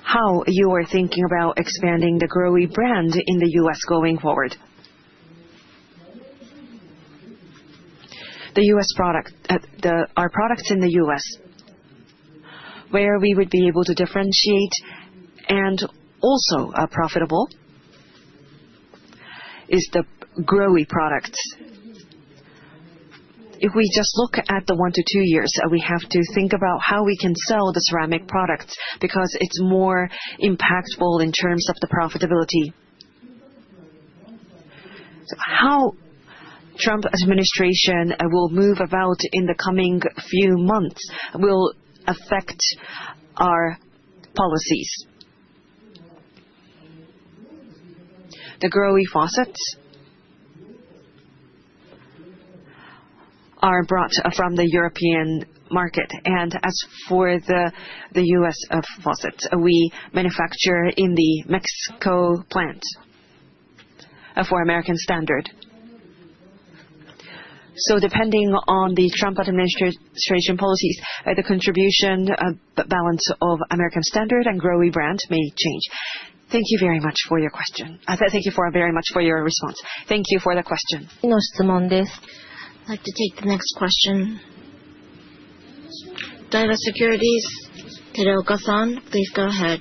how you were thinking about expanding the GROHE brand in the U.S. going forward. The U.S. product, our products in the U.S., where we would be able to differentiate and also profitable is the GROHE products. If we just look at the one to two years, we have to think about how we can sell the ceramic products because it's more impactful in terms of the profitability. How the Trump administration will move about in the coming few months will affect our policies. The GROHE faucets are brought from the European market, and as for the U.S. faucets, we manufacture in the Mexico plant for American Standard. Depending on the Trump administration policies, the contribution balance of American Standard and GROHE brand may change. Thank you very much for your question. Thank you very much for your response. Thank you for the question. の質問です。I'd like to take the next question. Daiwa Securities, Teraoka-san, please go ahead.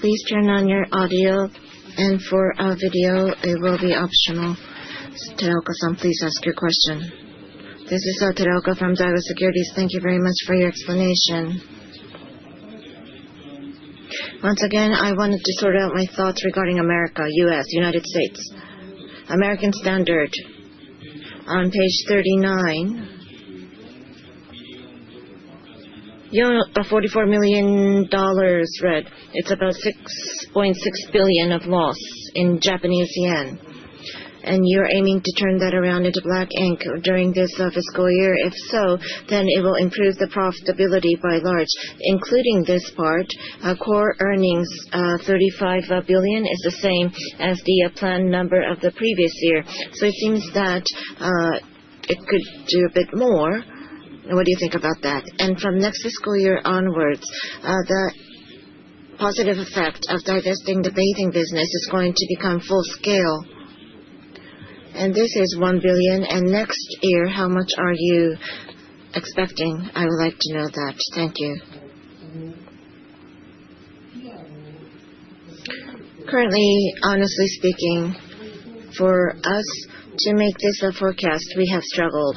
Please turn on your audio, and for video, it will be optional. Teraoka-san, please ask your question. This is Teraoka from Daiwa Securities. Thank you very much for your explanation. Once again, I wanted to sort out my thoughts regarding America, U.S., United States. American Standard, on page 39, $44 million read. It's about 6.6 billion of loss in Japanese yen, and you're aiming to turn that around into black ink during this fiscal year. If so, then it will improve the profitability by large, including this part. Core earnings, 35 billion, is the same as the plan number of the previous year. It seems that it could do a bit more. What do you think about that? From next fiscal year onwards, the positive effect of divesting the bathing business is going to become full scale. This is $1 billion. Next year, how much are you expecting? I would like to know that. Thank you. Currently, honestly speaking, for us to make this a forecast, we have struggled.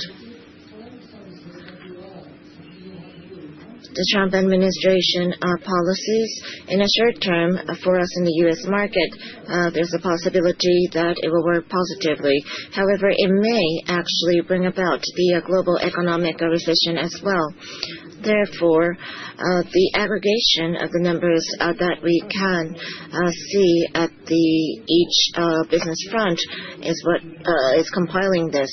The Trump administration policies, in a short term, for us in the U.S. market, there is a possibility that it will work positively. However, it may actually bring about the global economic recession as well. Therefore, the aggregation of the numbers that we can see at each business front is what is compiling this.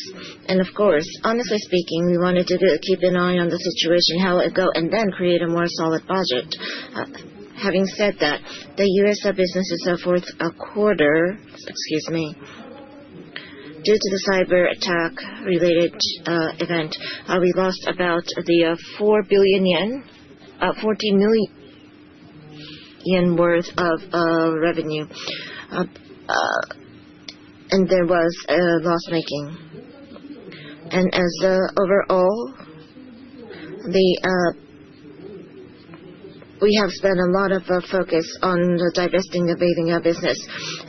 Of course, honestly speaking, we wanted to keep an eye on the situation, how it would go, and then create a more solid budget. Having said that, the U.S. businesses for the quarter, excuse me, due to the cyber attack-related event, we lost about 4 billion yen, 14 million yen worth of revenue. There was loss-making. As overall, we have spent a lot of focus on divesting the bathing business.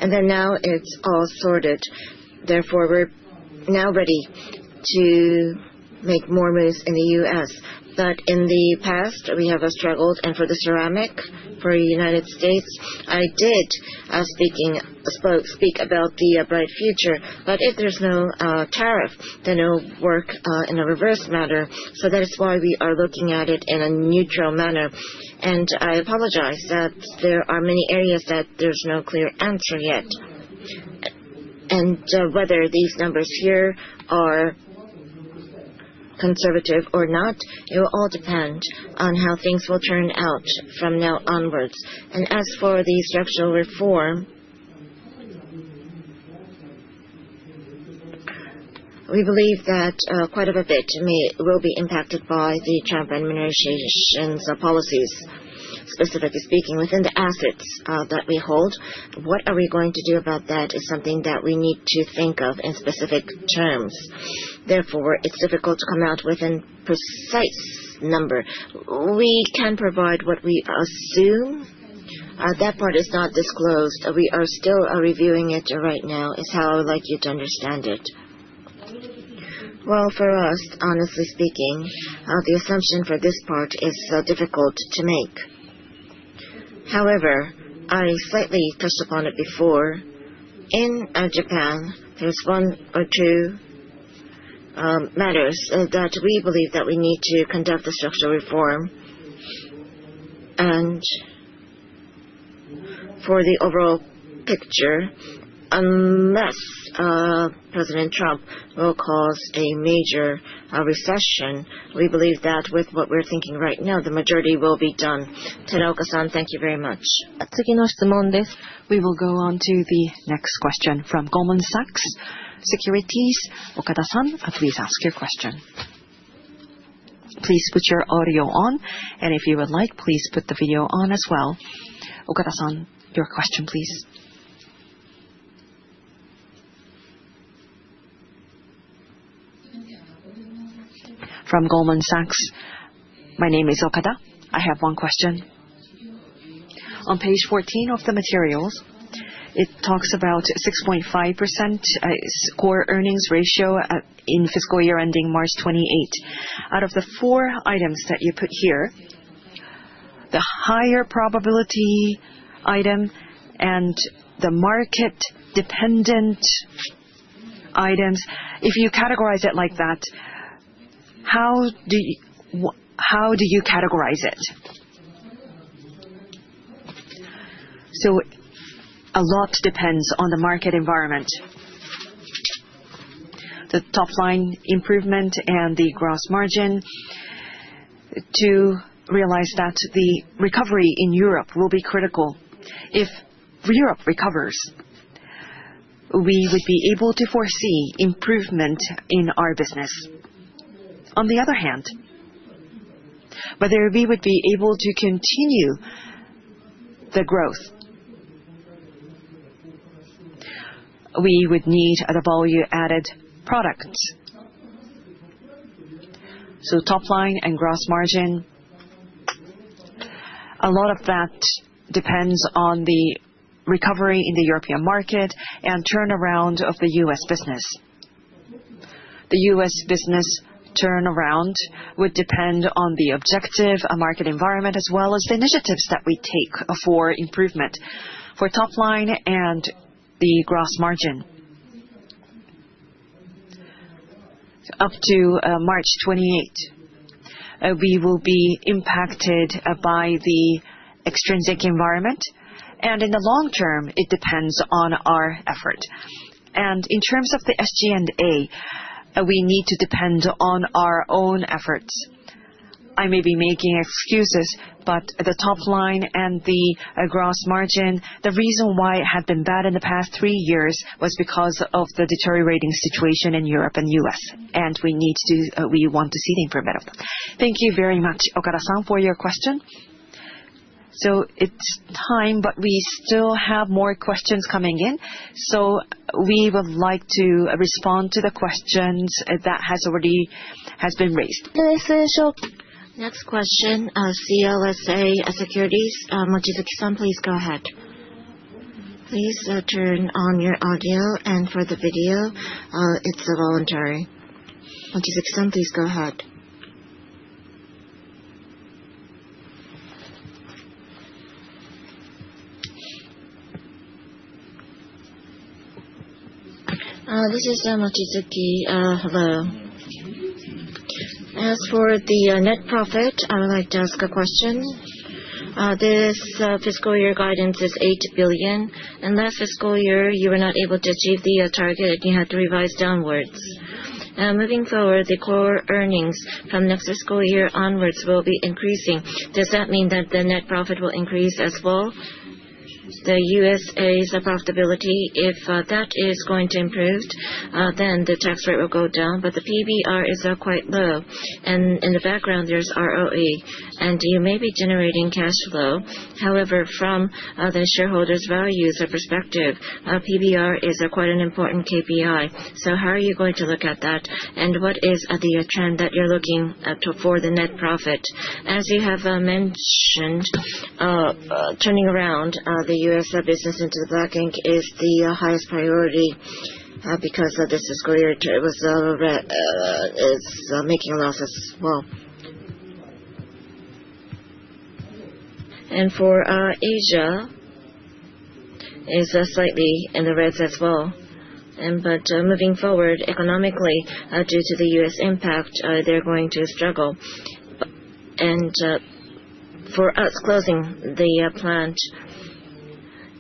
Now it is all sorted. Therefore, we are now ready to make more moves in the U.S. In the past, we have struggled. For the ceramic, for the United States, I did speak about the bright future. If there is no tariff, then it will work in a reverse manner. That is why we are looking at it in a neutral manner. I apologize that there are many areas that there is no clear answer yet. Whether these numbers here are conservative or not, it will all depend on how things will turn out from now onwards. As for the structural reform, we believe that quite a bit will be impacted by the Trump administration's policies, specifically speaking, within the assets that we hold. What are we going to do about that is something that we need to think of in specific terms. Therefore, it's difficult to come out with a precise number. We can provide what we assume. That part is not disclosed. We are still reviewing it right now, is how I would like you to understand it. For us, honestly speaking, the assumption for this part is difficult to make. However, I slightly touched upon it before. In Japan, there is one or two matters that we believe that we need to conduct the structural reform. For the overall picture, unless President Trump will cause a major recession, we believe that with what we're thinking right now, the majority will be done. Teraoka-san, thank you very much. 次の質問です。We will go on to the next question from Goldman Sachs Securities. Okada-san, please ask your question. Please put your audio on, and if you would like, please put the video on as well. Okada-san, your question, please. From Goldman Sachs, my name is Okada. I have one question. On page 14 of the materials, it talks about 6.5% core earnings ratio in fiscal year ending March 2028. Out of the four items that you put here, the higher probability item and the market-dependent items, if you categorize it like that, how do you categorize it? A lot depends on the market environment, the top-line improvement, and the gross margin to realize that the recovery in Europe will be critical. If Europe recovers, we would be able to foresee improvement in our business. On the other hand, whether we would be able to continue the growth, we would need the value-added products. Top-line and gross margin, a lot of that depends on the recovery in the European market and turnaround of the U.S. business. The U.S. business turnaround would depend on the objective, a market environment, as well as the initiatives that we take for improvement for top-line and the gross margin. Up to March 28, we will be impacted by the extrinsic environment. In the long term, it depends on our effort. In terms of the SG&A, we need to depend on our own efforts. I may be making excuses, but the top-line and the gross margin, the reason why it had been bad in the past three years was because of the deteriorating situation in Europe and U.S. We need to, we want to see the improvement of that. Thank you very much, Okada-san, for your question. It is time, but we still have more questions coming in. We would like to respond to the questions that have already been raised. Next question, CLSA Securities. Mochizuki-san, please go ahead. Please turn on your audio. For the video, it is voluntary. Mochizuki-san, please go ahead. This is Mochizuki. Hello. As for the net profit, I would like to ask a question. This fiscal year guidance is 8 billion. In last fiscal year, you were not able to achieve the target, and you had to revise downwards. Moving forward, the core earnings from next fiscal year onwards will be increasing. Does that mean that the net profit will increase as well? The U.S.A.'s profitability, if that is going to improve, then the tax rate will go down. The PBR is quite low. In the background, there is ROE, and you may be generating cash flow. However, from the shareholders' values perspective, PBR is quite an important KPI. How are you going to look at that? What is the trend that you are looking for the net profit? As you have mentioned, turning around the U.S. business into the black ink is the highest priority because this fiscal year it was making a loss as well. For Asia, it is slightly in the reds as well. Moving forward, economically, due to the U.S. impact, they are going to struggle. For us, closing the plant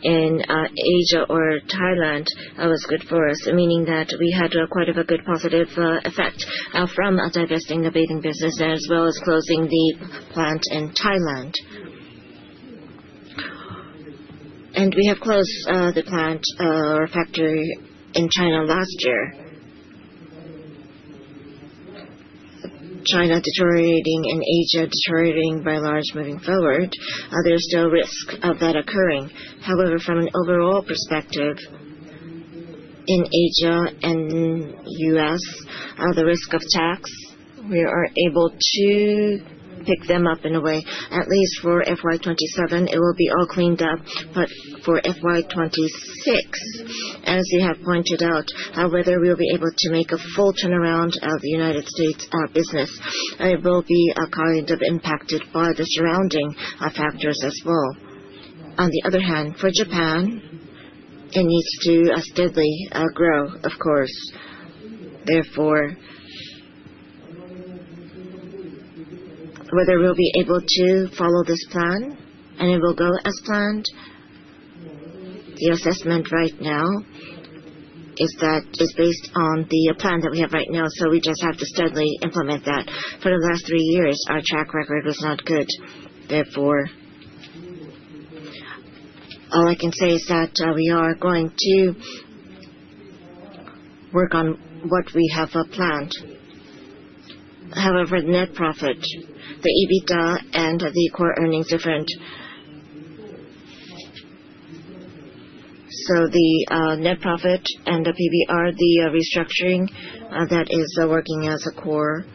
in Asia or Thailand was good for us, meaning that we had quite a good positive effect from divesting the bathing business as well as closing the plant in Thailand. We have closed the plant or factory in China last year. China deteriorating and Asia deteriorating by large moving forward. There's still risk of that occurring. However, from an overall perspective in Asia and U.S., the risk of tax, we are able to pick them up in a way. At least for FY 2027, it will be all cleaned up. For FY 2026, as you have pointed out, however, we will be able to make a full turnaround of the United States business. It will be kind of impacted by the surrounding factors as well. On the other hand, for Japan, it needs to steadily grow, of course. Therefore, whether we'll be able to follow this plan and it will go as planned, the assessment right now is that it's based on the plan that we have right now. We just have to steadily implement that. For the last three years, our track record was not good. Therefore, all I can say is that we are going to work on what we have planned. However, the net profit, the EBITDA, and the core earnings difference. The net profit and the PBR, the restructuring that is working as a core,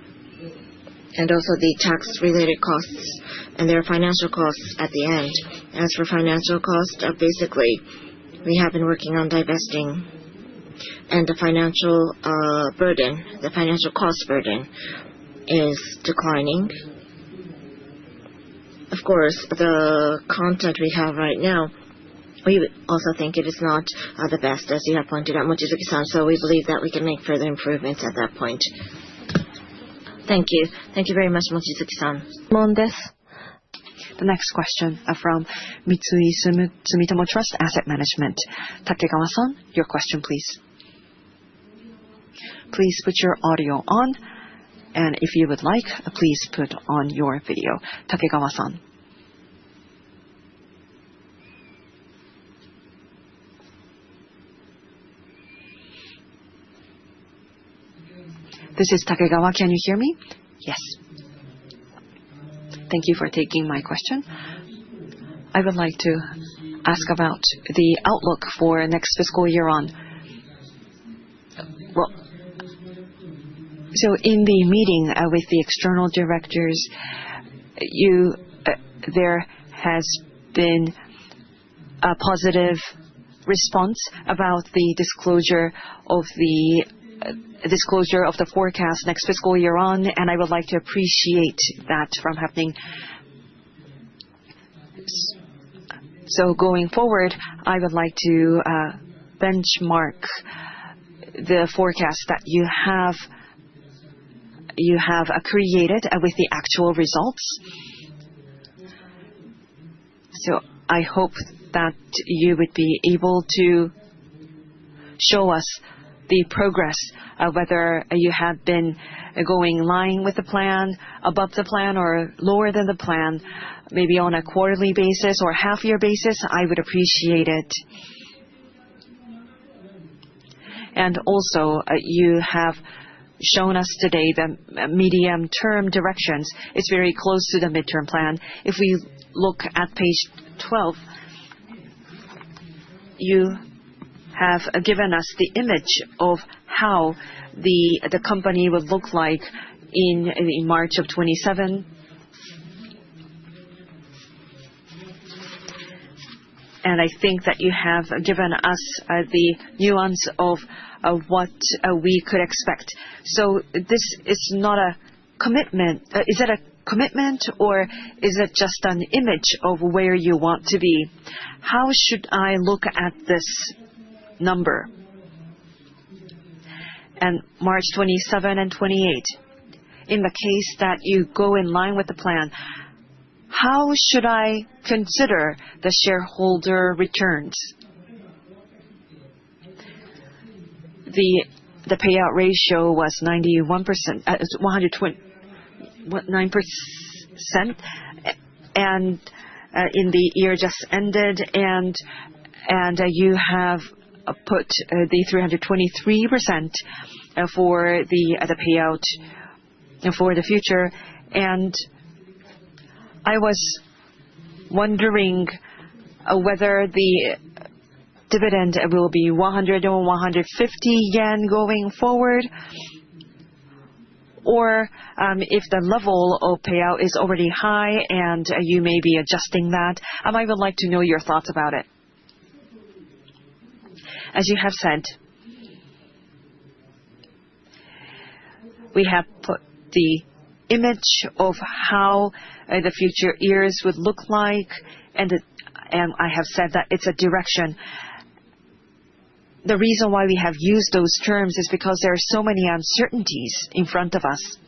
and also the tax-related costs and their financial costs at the end. As for financial costs, basically, we have been working on divesting, and the financial burden, the financial cost burden, is declining. Of course, the content we have right now, we also think it is not the best, as you have pointed out, Mochizuki-san. We believe that we can make further improvements at that point. Thank you. Thank you very much, Mochizuki-san. 質問です。The next question from Sumitomo Mitsui Trust Asset Management. Takegawa-san, your question, please. Please put your audio on, and if you would like, please put on your video. Takegawa-san. This is Takegawa. Can you hear me? Yes. Thank you for taking my question. I would like to ask about the outlook for next fiscal year on. In the meeting with the external directors, there has been a positive response about the disclosure of the forecast next fiscal year on, and I would like to appreciate that from happening. Going forward, I would like to benchmark the forecast that you have created with the actual results. I hope that you would be able to show us the progress, whether you have been going line with the plan, above the plan, or lower than the plan, maybe on a quarterly basis or half-year basis. I would appreciate it. Also, you have shown us today the medium-term directions. It's very close to the midterm plan. If we look at page 12, you have given us the image of how the company would look like in March of 2027. I think that you have given us the nuance of what we could expect. This is not a commitment. Is it a commitment, or is it just an image of where you want to be? How should I look at this number? March 2027 and 2028, in the case that you go in line with the plan, how should I consider the shareholder returns? The payout ratio was 91%, what, 9%? The year just ended, and you have put the 323% for the payout for the future. I was wondering whether the dividend will be 100 or 150 yen going forward, or if the level of payout is already high and you may be adjusting that. I would like to know your thoughts about it. As you have said, we have put the image of how the future years would look like, and I have said that it's a direction. The reason why we have used those terms is because there are so many uncertainties in front of us.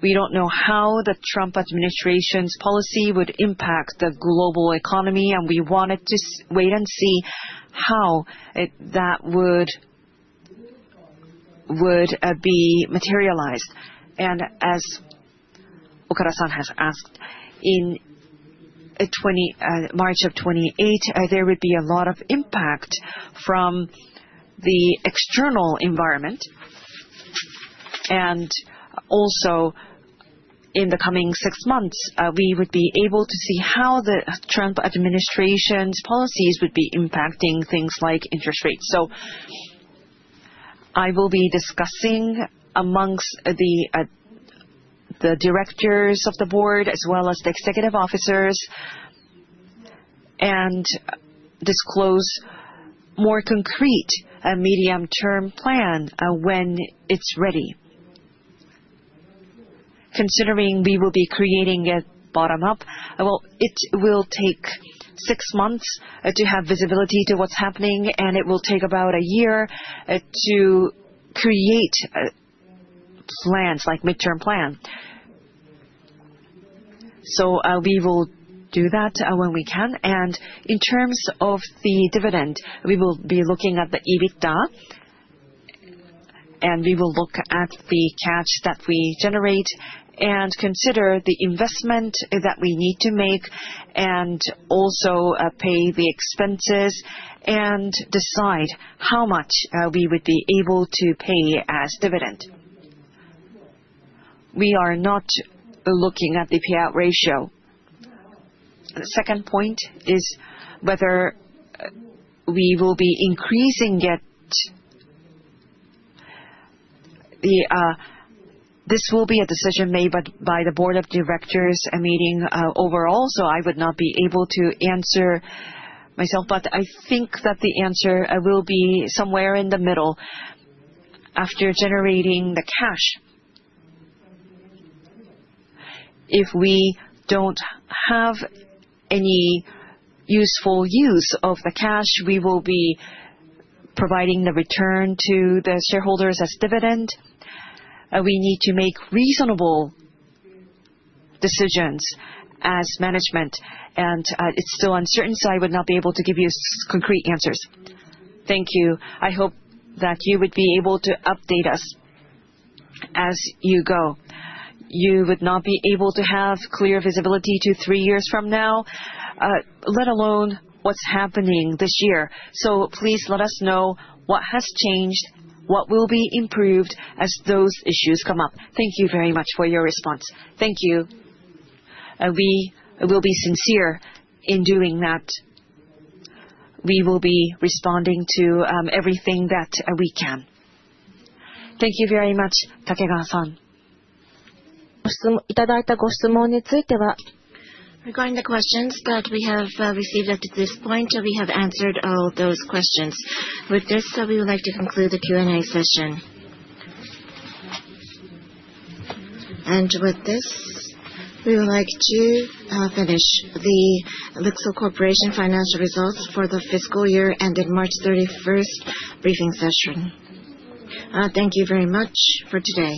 We don't know how the Trump administration's policy would impact the global economy, and we wanted to wait and see how that would be materialized. As Okada-san has asked, in March of 2028, there would be a lot of impact from the external environment. Also, in the coming six months, we would be able to see how the Trump administration's policies would be impacting things like interest rates. I will be discussing amongst the directors of the board as well as the executive officers and disclose a more concrete medium-term plan when it is ready. Considering we will be creating it bottom-up, it will take six months to have visibility to what is happening, and it will take about a year to create plans like a midterm plan. We will do that when we can. In terms of the dividend, we will be looking at the EBITDA, and we will look at the cash that we generate and consider the investment that we need to make and also pay the expenses and decide how much we would be able to pay as dividend. We are not looking at the payout ratio. The second point is whether we will be increasing it. This will be a decision made by the board of directors meeting overall, so I would not be able to answer myself. I think that the answer will be somewhere in the middle after generating the cash. If we do not have any useful use of the cash, we will be providing the return to the shareholders as dividend. We need to make reasonable decisions as management, and it is still uncertain, so I would not be able to give you concrete answers. Thank you. I hope that you would be able to update us as you go. You would not be able to have clear visibility to three years from now, let alone what is happening this year. Please let us know what has changed, what will be improved as those issues come up. Thank you very much for your response. Thank you. We will be sincere in doing that. We will be responding to everything that we can. Thank you very much, Takegawa-san. ご質問いただいたご質問について。Regarding the questions that we have received at this point, we have answered all those questions. With this, we would like to conclude the Q&A session. With this, we would like to finish the LIXIL Corporation financial results for the fiscal year ended March 31st briefing session. Thank you very much for today.